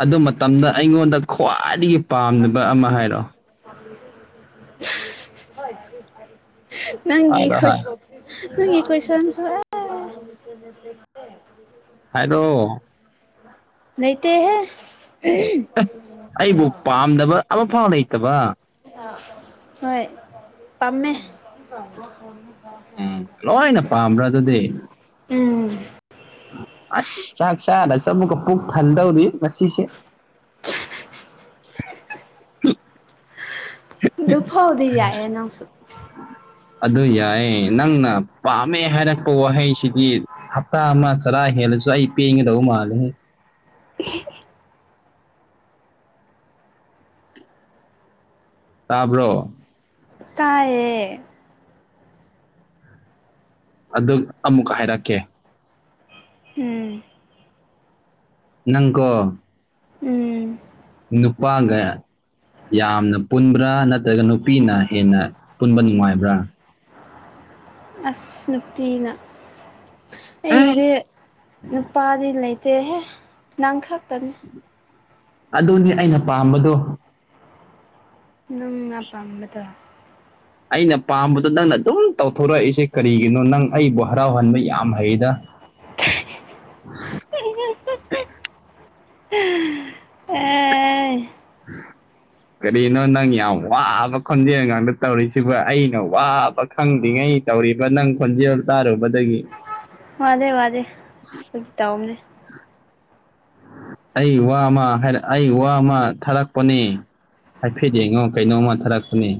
ꯑꯗꯨ ꯃꯇꯝꯗ ꯑꯩꯉꯣꯟꯗ ꯈ꯭ꯋꯥꯏꯗꯒꯤ ꯄꯥꯝꯅꯕ ꯑꯃ ꯍꯥꯏꯔꯣ ꯍꯥꯏꯔꯣ ꯅꯪꯒꯤꯈꯣꯏ ꯍꯥꯏ ꯅꯪ ꯀ꯭ꯣꯏꯟꯁꯨ [unintelligible] ꯍꯥꯏꯥꯏꯗꯣ ꯅꯠꯇꯍ ꯑꯩꯕꯨ ꯄꯥꯝꯗꯕ ꯑꯃꯐꯥꯎ ꯂꯩꯇꯕ ꯍꯣꯏ ꯄꯥꯝꯃꯦ ꯎꯝ ꯂꯣꯏꯅ ꯄꯥꯝꯕ꯭ꯔꯥ ꯑꯗꯨꯗꯤ ꯎꯝ ꯑ ꯆꯥꯛ ꯆꯥꯁꯃꯨꯀ ꯄꯨꯛ ꯊꯜꯗꯧꯔꯤ ꯉꯁꯤꯁꯦ ꯍ ꯑꯗꯨ ꯐꯥꯎꯗꯤ ꯌꯥꯏꯌꯦꯦ ꯅꯪꯁꯨ ꯑꯗꯨ ꯌꯥꯏ ꯅꯪꯅ ꯄꯥꯝꯃꯦ ꯍꯥꯏꯔꯛꯄ ꯋꯥꯍꯩꯁꯤꯗꯤ ꯍꯞꯇꯥ ꯑꯃ ꯆꯂꯥꯏ ꯍꯦꯜꯂꯁꯨ ꯑꯩ ꯄꯦꯡꯉꯗꯧ ꯃꯥꯜꯂꯦ ꯇꯥꯕ꯭ꯔꯣ ꯇꯌꯦ ꯑꯗꯨ ꯑꯃꯨꯛ ꯍꯥꯏꯔꯛꯀꯦ ꯎꯝ ꯅꯪꯀꯣ ꯎꯝ ꯅꯨꯄꯥꯒ ꯌꯥꯝꯅ ꯄꯨꯟꯕ꯭ꯔꯥ ꯅꯠꯇ꯭ꯔꯒ ꯅꯨꯄꯤꯅ ꯍꯦꯟꯅ ꯄꯨꯟꯕ ꯅꯨꯡꯉꯥꯏꯕ꯭ꯔꯥ ꯑꯁ ꯅꯨꯄꯤꯅ ꯑꯦ ꯑꯩꯒꯤꯗꯤ ꯅꯨꯄꯥꯗꯤ ꯂꯩꯇꯦ ꯆꯦ ꯍ ꯅꯪꯈꯞ ꯇꯅꯤ ꯑꯗꯨꯅꯤ ꯑꯩꯅ ꯄꯥꯝꯕꯗꯣ ꯅꯪꯅ ꯑꯄꯥꯝꯕꯗ ꯑꯩꯅ ꯄꯥꯝꯕꯗꯣ ꯅꯪꯅ ꯑꯗꯨꯝ ꯇꯧꯊꯣꯔꯛꯏꯁꯦ ꯀꯔꯤꯒꯤꯅꯣ ꯅꯪ ꯑꯩꯕꯨ ꯍꯔꯥꯎꯍꯟꯕ ꯌꯥꯝ ꯍꯩꯗ ꯇ ꯎ ꯀꯔꯤꯅꯣ ꯅꯪ ꯌꯥꯝ ꯋꯥꯕ ꯈꯣꯟꯖꯦꯜ ꯉꯥꯡꯗ ꯇꯧꯔꯤꯁꯤꯕ ꯑꯩꯅ ꯋꯥꯕ ꯈꯪꯗ꯭ꯔꯤꯉꯩ ꯇꯧꯔꯤꯕ ꯅꯪ ꯈꯣꯟꯖꯦꯜ ꯇꯥꯔꯨꯕꯗꯒꯤ ꯋꯥꯗꯦ ꯋꯥꯗꯦ ꯑꯗꯨ ꯇꯝꯅꯦ ꯑꯩ ꯋꯥ ꯑꯃ ꯍꯥꯏ ꯑꯩ ꯋꯥ ꯑꯃ ꯊꯥꯔꯛꯄꯅꯦ ꯍꯥꯏꯐꯦꯠ ꯌꯦꯡꯉꯣ ꯀꯩꯅꯣꯝꯃ ꯊꯥꯔꯛꯄꯅꯦ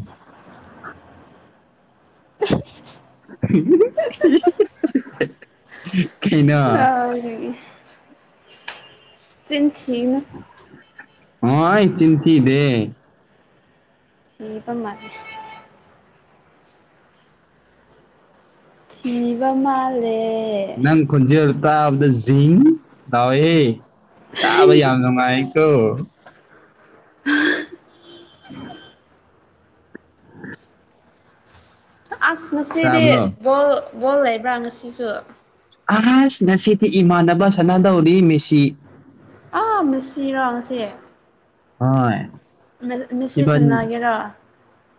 ꯀꯩꯅꯣ ꯑ ꯆꯤꯟꯊꯅ ꯍ ꯑꯩ ꯆꯤꯟꯊꯤ ꯗꯦ ꯃꯤꯕ ꯃꯥꯅꯦ ꯁꯤꯕ ꯃꯥꯂꯦ ꯅꯪ ꯈꯨꯟꯖꯔ ꯇꯕ ꯗ ꯇꯋꯦ ꯌꯥꯕꯩ ꯌꯥꯗꯧꯉꯥꯏꯥꯏ ꯀꯣ ꯎꯝ ꯑꯁ ꯉꯁꯤꯗꯤ ꯇꯥꯕ꯭ꯔꯣ ꯕꯣꯜ ꯕꯣꯜ ꯂꯩꯕ꯭ꯔꯥ ꯉꯁꯤꯁꯨ ꯑꯍꯖ ꯉꯁꯤꯗꯤ ꯏꯃꯥꯟꯅꯕ ꯁꯥꯟꯅꯗꯧꯔꯤ ꯃꯤꯦꯁꯤ ꯑ ꯃꯁꯤꯔꯣꯁꯦ ꯍ ꯃꯤꯦꯁꯤꯁꯅꯥꯒꯦꯔ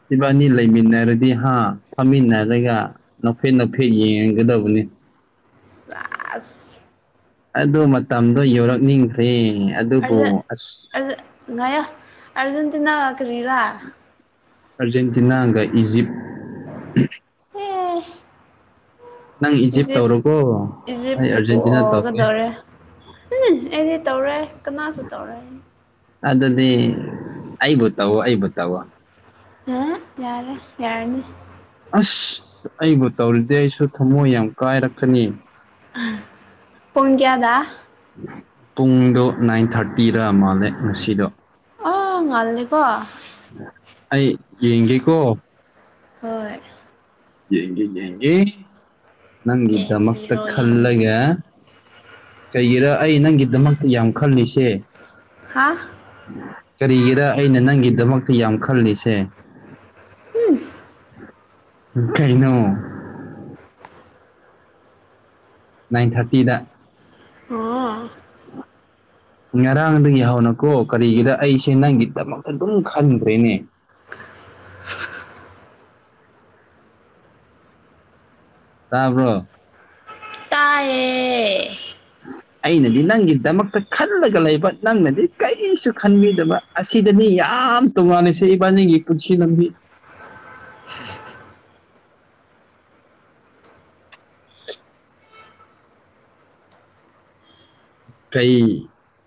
ꯁꯤꯕꯥꯅꯤ ꯂꯩꯃꯤꯟꯅꯔꯗꯤ ꯍꯥ ꯐꯝꯃꯤꯟꯅꯔꯒ ꯅꯥꯐꯦꯠ ꯅꯥꯐꯦꯠ ꯌꯦꯡꯒꯗꯕꯅꯤ ꯁꯥ ꯑꯁ ꯑꯗ ꯃꯇꯝꯗꯣ ꯌꯧꯔꯛꯅꯤꯡꯈ꯭ꯔꯦ ꯑꯗꯨꯕꯨ ꯑꯔꯖꯦꯟ ꯑꯁ ꯑꯔꯖ ꯉꯌꯥ ꯑꯔꯖꯦꯟꯇꯤꯅꯥ ꯀꯔꯤꯔꯥ ꯑꯥꯔꯖꯦꯟꯇꯤꯅꯥꯒ ꯏꯖꯤꯞ ꯎꯝ ꯅꯪ ꯏꯖꯤꯞ ꯇꯧꯔꯣꯀꯣ ꯏꯖꯤꯞ ꯑꯩ ꯑꯥꯔꯖꯦꯟꯇꯤꯅꯥ ꯇꯧꯒꯦ ꯄꫭꯏꯒꯗꯣꯔꯦ ꯑꯩꯅꯦ ꯇꯧꯔꯦ ꯀꯅꯥꯁꯨ ꯇꯧꯔꯦ ꯑꯗꯨꯗꯤ ꯑꯩꯕꯨ ꯇꯧꯋꯣ ꯑꯩꯕꯨ ꯇꯧꯋꯣ ꯑ ꯌꯥꯔꯦ ꯌꯥꯅꯤ ꯑꯁ ꯑꯩꯕꯨ ꯇꯧꯔꯤꯗꯤ ꯑꯩꯁꯨ ꯊꯃꯣꯏ ꯌꯥꯝ ꯀꯥꯏꯔꯛꯀꯅꯤ ꯄꯨꯡ ꯀꯌꯥꯗ ꯄꯨꯡꯗꯣ ꯅꯥꯏꯟ ꯊꯥꯔꯇꯤꯗ ꯃꯥꯜꯂꯦ ꯉꯁꯤꯗꯣ ꯑ ꯉꯜꯂꯤ ꯀꯣ ꯑꯩ ꯌꯦꯡꯒꯦꯀꯣ ꯍꯣꯏ ꯌꯦꯡꯒ ꯌꯦꯡꯒꯦ ꯅꯪꯒꯤꯗꯃꯛꯇ ꯌꯦꯡꯕꯤꯔꯣ ꯌꯦꯡꯕꯤꯔꯣ ꯈꯜꯂꯒꯦ ꯀꯩꯒꯤꯔ ꯑꯩ ꯅꯪꯒꯤꯗꯃꯛꯇ ꯌꯥꯝ ꯈꯜꯂꯤꯁꯦ ꯍꯥꯥ ꯀꯔꯤꯒꯤꯔ ꯑꯩꯅ ꯅꯪꯒꯤꯗꯃꯛꯇ ꯌꯥꯝ ꯈꯜꯂꯤꯁꯦ ꯎꯝ ꯀꯩꯅꯣ ꯅꯥꯏꯟ ꯊꯥꯔꯇꯤꯗ ꯑꯣ [unintelligible] ꯉꯔꯥꯡꯗꯒꯤ ꯍꯧꯅꯀꯣ ꯀꯔꯤꯒꯤꯗ ꯑꯩꯁꯦ ꯅꯪꯒꯤꯗꯃꯛꯇ ꯑꯗꯨꯝ ꯈꯟꯈ꯭ꯔꯦꯅꯦ ꯇꯥꯕ꯭ꯔꯣ ꯇꯥꯏꯌꯦ ꯑꯩꯅꯗꯤ ꯅꯪꯒꯤꯗꯃꯛꯇ ꯈꯜꯂꯒ ꯂꯩꯕ ꯅꯪꯅꯗꯤ ꯀꯔꯤꯁꯨ ꯈꯟꯕꯤꯗꯕ ꯑꯁꯤꯗꯅꯤ ꯌꯥꯝ ꯇꯧꯔꯜꯂꯤꯁꯦ ꯏꯕꯥꯅꯤꯒꯤ ꯄꯨꯟꯁꯤ ꯂꯝꯕꯤ [unintelligible] ꯀꯩ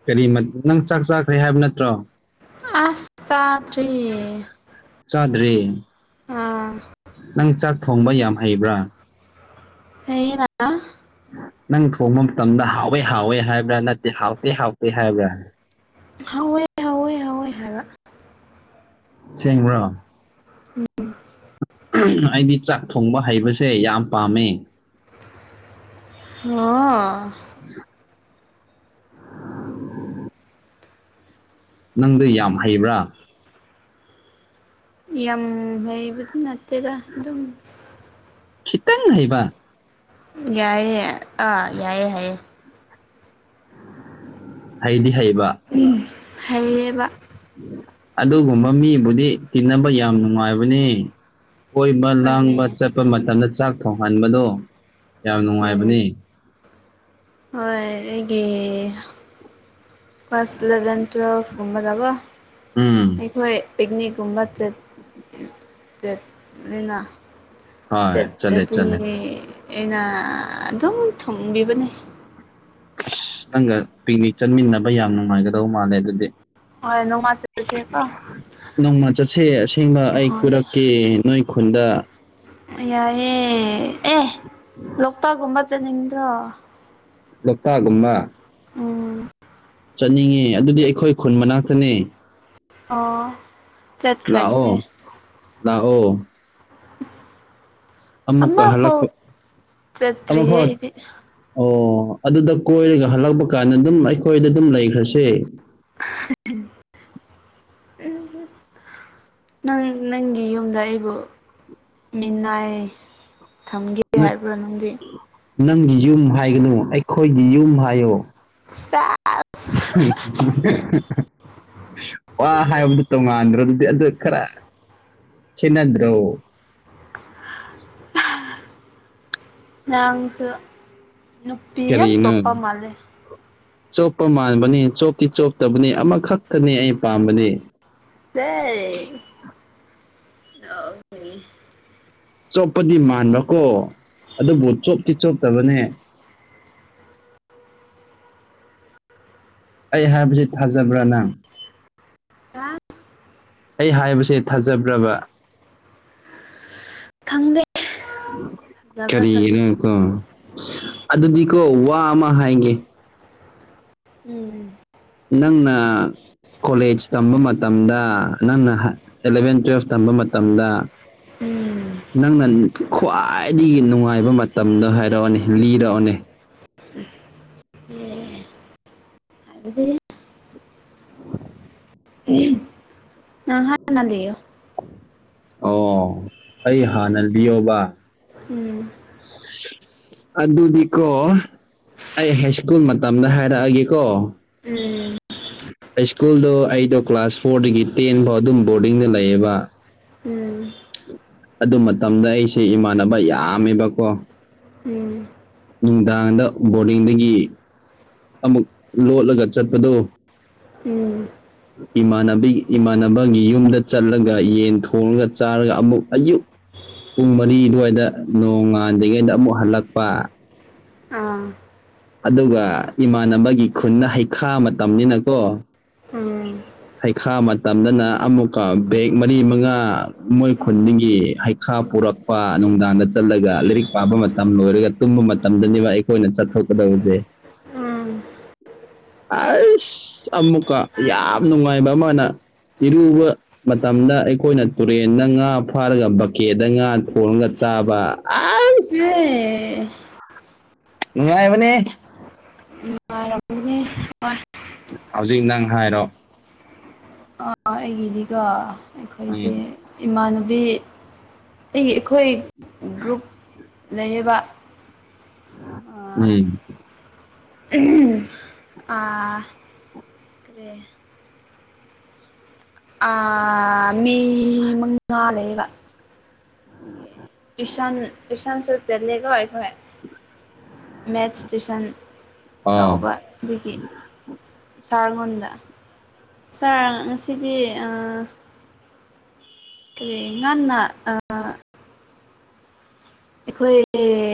ꯀꯔꯤ ꯅꯪ ꯆꯥꯛ ꯆꯥꯈ꯭ꯔꯦ ꯍꯥꯏꯕ ꯅꯠꯇ꯭ꯔꯣ ꯑꯁ ꯆꯥꯇ꯭ꯔꯤ ꯆꯥꯗ꯭ꯔꯤ ꯅꯪ ꯆꯥꯛ ꯊꯣꯡꯕ ꯌꯥꯝ ꯍꯩꯕ꯭ꯔꯥ ꯍꯩꯌꯦꯗ ꯅꯪ ꯊꯣꯡꯕ ꯃꯇꯝꯗ ꯍꯥꯎꯋꯦ ꯍꯥꯎꯋꯦ ꯍꯥꯏꯕ꯭ꯔꯥ ꯅꯠꯇꯦ ꯍꯥꯎꯇꯦ ꯍꯥꯎꯇꯦ ꯍꯥꯏꯕ꯭ꯔꯥ ꯍꯧꯋꯦ ꯍꯧꯋꯦ ꯍꯧꯋꯦ ꯍꯥꯏꯕ ꯑꯁꯦꯡ꯭ꯕꯔꯣ ꯑꯩꯗꯤ ꯆꯥꯛ ꯊꯣꯡꯕ ꯍꯩꯕꯁꯦ ꯌꯥꯝ ꯄꯥꯝꯃꯦ ꯑꯣ ꯅꯪꯗꯤ ꯌꯥꯝ ꯍꯩꯕ꯭ꯔꯥ ꯌꯥꯝ ꯍꯩꯕꯗꯤ ꯅꯠꯇꯦꯗ ꯑꯗꯨꯝ ꯈꯤꯇꯪ ꯍꯩꯕ ꯌꯥꯏꯑꯌꯦ ꯌꯥ ꯑꯥ ꯌꯥꯏꯑꯌꯦ ꯌꯥꯌꯦ ꯍꯩꯗꯤ ꯍꯩꯕ ꯍꯥꯏꯌꯦꯕ ꯑꯗꯨꯒꯨꯝꯕ ꯃꯤꯕꯨꯗꯤ ꯇꯤꯟꯅꯕ ꯌꯥꯝ ꯅꯨꯡꯉꯥꯏꯕꯅꯦ ꯀꯣꯏꯕ ꯍꯣꯏꯅꯦ ꯂꯥꯡꯕ ꯆꯠꯄ ꯃꯇꯝꯗ ꯆꯥꯛ ꯊꯣꯡꯍꯟꯕꯗꯣ ꯌꯥꯝ ꯎꯝ ꯅꯨꯡꯉꯥꯏꯕꯅꯦ ꯍꯣꯏ ꯑꯩꯒꯤ ꯀ꯭ꯂꯥꯁ ꯏꯂꯚꯦꯟ ꯇꯨꯌꯦꯜꯐ ꯀꯨꯝꯕꯗꯀꯣ ꯎꯝ ꯑꯩꯈꯣꯏ ꯄꯤꯛꯅꯤꯛꯀꯨꯝꯕ ꯆꯠꯂꯤꯅ ꯍꯣꯏ ꯆꯠꯂꯦ ꯆꯠꯂꯗꯤ ꯆꯠꯂꯦ ꯑꯩꯅ ꯑꯗꯨꯝ ꯊꯨꯡꯕꯤꯕꯅꯦ ꯑꯁ ꯅꯪꯒ ꯄꯤꯛꯅꯤꯛ ꯆꯠꯃꯤꯟꯅꯕ ꯌꯥꯝ ꯅꯨꯡꯉꯥꯏꯒꯗꯧ ꯃꯥꯜꯂꯦ ꯑꯗꯨꯗꯤ ꯍꯣꯏ ꯅꯣꯡꯃ ꯆꯠꯂꯁꯦꯀꯣ ꯅꯣꯡꯃ ꯆꯠꯁꯦ ꯑꯁꯦꯡꯕ ꯑꯩ ꯍꯣꯏ ꯀꯣꯏꯔꯛꯀꯦ ꯅꯣꯏ ꯈꯨꯟꯗ ꯌꯥꯏꯑꯦ ꯑꯦ ꯂꯣꯛꯇꯥꯛꯒꯨꯝꯕ ꯆꯠꯅꯤꯡꯗ꯭ꯔꯣ ꯂꯣꯛꯇꯥꯥꯛꯒꯨꯝꯕ ꯎꯝ ꯆꯠꯅꯤꯡꯉꯦ ꯑꯗꯨꯗꯤ ꯑꯩꯈꯣꯏ ꯈꯨꯟ ꯃꯅꯥꯛꯇꯅꯦ ꯑꯣ ꯆꯠꯈ꯭ꯔꯁꯦ ꯂꯥꯛꯑꯣ ꯂꯥꯛꯑꯣ ꯑꯃꯨꯛꯀ ꯑꯃ ꯐꯥꯎ ꯍꯜꯂꯛꯄ ꯑꯃꯨꯛ ꯆꯠꯇ꯭ꯔꯤꯌꯦ ꯐꯥꯎ ꯑꯩꯗꯤ ꯑꯣ ꯑꯗꯨꯗ ꯀꯣꯏꯔꯒ ꯍꯜꯂꯛꯄ ꯀꯥꯟꯗ ꯑꯗꯨꯝ ꯑꯩꯈꯣꯏꯗ ꯑꯗꯨꯝ ꯂꯩꯈ꯭ꯔꯁꯦ ꯎꯝ [inaudible] ꯅꯪ ꯅꯪꯒꯤ ꯌꯨꯝꯗ ꯑꯩꯕꯨ ꯃꯤꯅꯥꯏ ꯊꯝꯒꯦ ꯍꯥꯏꯕ꯭ꯔꯥ ꯅꯪꯗꯤ ꯅꯪꯒꯤ ꯌꯨꯝ ꯍꯥꯏꯒꯅꯨ ꯑꯩꯈꯣꯏꯒꯤ ꯌꯨꯝ ꯍꯥꯏꯌꯣ [unintelligible] [unintelligible] ꯋꯥ ꯍꯥꯏꯕꯗꯨ ꯇꯣꯉꯥꯟꯗ꯭ꯔ ꯑꯗꯨꯗꯤ ꯑꯗꯨ ꯈꯔ ꯈꯦꯟꯅꯗ꯭ꯔꯣ [unintelligible] ꯅꯥꯡꯁꯨ ꯀꯔꯤꯅꯣ ꯆꯣꯞꯄ ꯃꯥꯟꯕꯅꯤ ꯆꯣꯞꯇꯤ ꯆꯣꯞꯇꯕꯅꯤ ꯑꯃꯈꯛꯇꯅꯤ ꯑꯩ ꯄꯥꯝꯕꯗꯤ ꯁꯦ [unintelligible] ꯆꯣꯞꯄꯗꯤ ꯃꯥꯟꯕꯀꯣ ꯑꯗꯨꯕꯨ ꯆꯣꯞꯇꯤ ꯆꯣꯞꯇꯕꯅꯦ ꯑꯩ ꯍꯥꯏꯕꯁꯤ ꯊꯥꯖꯕ꯭ꯔꯥ ꯅꯪ [unintelligible] ꯑꯩ ꯍꯥꯏꯕꯁꯦ ꯊꯥꯖꯕ꯭ꯔꯕ ꯈꯪꯗꯦ ꯐꯖꯕ꯭ꯔꯥ ꯐꯖ ꯀꯔꯤꯒꯤꯅꯣ ꯀꯣ ꯑꯗꯨꯗꯤ ꯀꯣ ꯋꯥ ꯑꯃ ꯍꯥꯏꯒꯦ ꯎꯝ ꯅꯪꯅ ꯀꯣꯂꯦꯖ ꯇꯝꯕ ꯃꯇꯝꯗ ꯅꯪꯅ ꯑꯦꯂꯚꯦꯟ ꯇꯨꯋꯦꯜꯐ ꯇꯝꯕ ꯃꯇꯝꯗ ꯎꯝ ꯅꯪꯅ ꯈ꯭ꯋꯥꯏꯗꯒꯤ ꯅꯨꯡꯉꯥꯏꯕ ꯃꯇꯝꯗꯣ ꯍꯥꯏꯔꯛꯑꯣꯅꯦ ꯂꯤꯔꯛꯑꯣꯅꯦ ꯑꯦ ꯍꯥꯏꯕꯗꯤ [unintelligible] ꯅꯪ ꯍꯥꯟꯅ ꯂꯤꯌꯣ ꯑꯣ ꯑꯩ ꯍꯥꯟꯅ ꯂꯤꯌꯣꯕ ꯎꯝ ꯑꯗꯨꯗꯤꯀꯣ ꯑꯩ ꯍꯥꯏ ꯁ꯭ꯀꯨꯜ ꯃꯇꯝꯗ ꯍꯥꯏꯔꯛꯑꯒꯦꯀꯣ ꯎꯝ ꯍꯥꯏ ꯁ꯭ꯀꯨꯜꯗꯣ ꯑꯩꯗꯣ ꯀ꯭ꯂꯥꯁ ꯐꯣꯔꯗꯒꯤ ꯇꯦꯟ ꯐꯥꯎ ꯑꯗꯨꯝ ꯕꯣꯔꯗꯤꯡꯗ ꯂꯩꯌꯦꯕ ꯎꯝ ꯑꯗꯨ ꯃꯇꯝꯗ ꯑꯩꯁꯦ ꯏꯃꯥꯟꯅꯕ ꯌꯥꯝꯃꯦꯕꯀꯣ ꯎꯝ ꯅꯨꯡꯗꯥꯡꯗ ꯕꯣꯔꯗꯤꯡꯗꯒꯤ ꯑꯃꯨꯛ ꯂꯣꯠꯂꯒ ꯆꯠꯄꯗꯣ ꯎꯝ ꯏꯃꯥꯟꯅꯕꯤ ꯏꯃꯥꯟꯅꯕꯒꯤ ꯌꯨꯝꯗ ꯆꯠꯂꯒ ꯌꯦꯟ ꯊꯣꯡꯉꯒ ꯆꯥꯔꯒ ꯑꯃꯨꯛ ꯑꯌꯨꯛ ꯄꯨꯡ ꯃꯔꯤ ꯑꯗꯨꯋꯥꯏꯗ ꯅꯣꯡꯉꯥꯟꯗꯒꯩꯗ ꯑꯃꯨꯛ ꯍꯜꯂꯛꯄ ꯑꯥ ꯑꯗꯨꯒ ꯏꯃꯥꯟꯅꯕꯒꯤ ꯈꯨꯟꯗ ꯍꯩꯈꯥ ꯃꯇꯝꯅꯤꯅꯀꯣ ꯎꯝ ꯍꯩꯈꯥ ꯃꯇꯝꯗꯅ ꯑꯃꯨꯛꯀ ꯕꯦꯛ ꯃꯔꯤ ꯃꯉꯥ ꯃꯣꯏ ꯈꯨꯟꯗꯒꯤ ꯍꯩ ꯈꯥ ꯄꯨꯔꯛꯄ ꯅꯨꯡꯗꯥꯡꯗ ꯆꯠꯂꯒ ꯂꯥꯏꯔꯤꯛ ꯄꯥꯕ ꯃꯇꯝ ꯂꯣꯏꯔꯒ ꯇꯨꯝꯕ ꯃꯇꯝꯗꯅꯦꯕ ꯑꯩ ꯈꯣꯏꯅ ꯆꯠꯊꯣꯛꯀꯗꯧꯗꯦ ꯎꯝ ꯑꯁ ꯑꯃꯨꯛꯀ ꯌꯥꯝ ꯅꯨꯡꯉꯥꯏꯕ ꯑꯃꯅ ꯏꯔꯨꯕ ꯃꯇꯝꯗ ꯑꯩꯈꯣꯏꯅ ꯇꯨꯔꯦꯟꯗ ꯉꯥ ꯐꯥꯔꯒ ꯕꯥꯛꯀꯦꯠꯇ ꯉꯥ ꯊꯣꯡꯉꯒ ꯆꯥꯕ ꯑꯁ ꯑꯦꯁ ꯅꯨꯡꯉꯥꯏꯕꯅꯦ ꯅꯨꯡꯉꯥꯏꯔꯝꯒꯅꯤ ꯍꯣꯏ ꯍꯧꯖꯤꯛ ꯅꯪ ꯍꯥꯏꯔꯣ ꯑꯩꯒꯤꯗꯤꯒꯣ ꯑꯩꯈꯣꯏꯗꯤ ꯎꯝ ꯏꯃꯥꯟꯅꯕꯤ ꯑꯩꯒꯤ ꯑꯩꯈꯣꯏ ꯒ꯭ꯔꯨꯞ ꯂꯩꯌꯦꯕ ꯑꯥ ꯎꯝ ꯑꯥ ꯀꯦ [inaudible] ꯑꯥ ꯃꯤ ꯃꯉꯥ ꯂꯩꯌꯦꯕ ꯇ꯭ꯨꯁꯟ ꯇ꯭ꯨꯁꯟ ꯁꯨ ꯆꯠꯂꯦꯕ ꯑꯩꯈꯣꯢ ꯃꯦꯠꯁ ꯇꯨꯏꯁꯟ ꯑꯣ ꯂꯧꯕ ꯑꯗꯒꯤ ꯁꯥ [inaudible] ꯂꯣꯟꯗ ꯁꯥꯔ ꯉꯁꯤꯗꯤ ꯅꯪꯅ ꯑꯥ ꯑꯩꯈꯣꯏꯒꯤ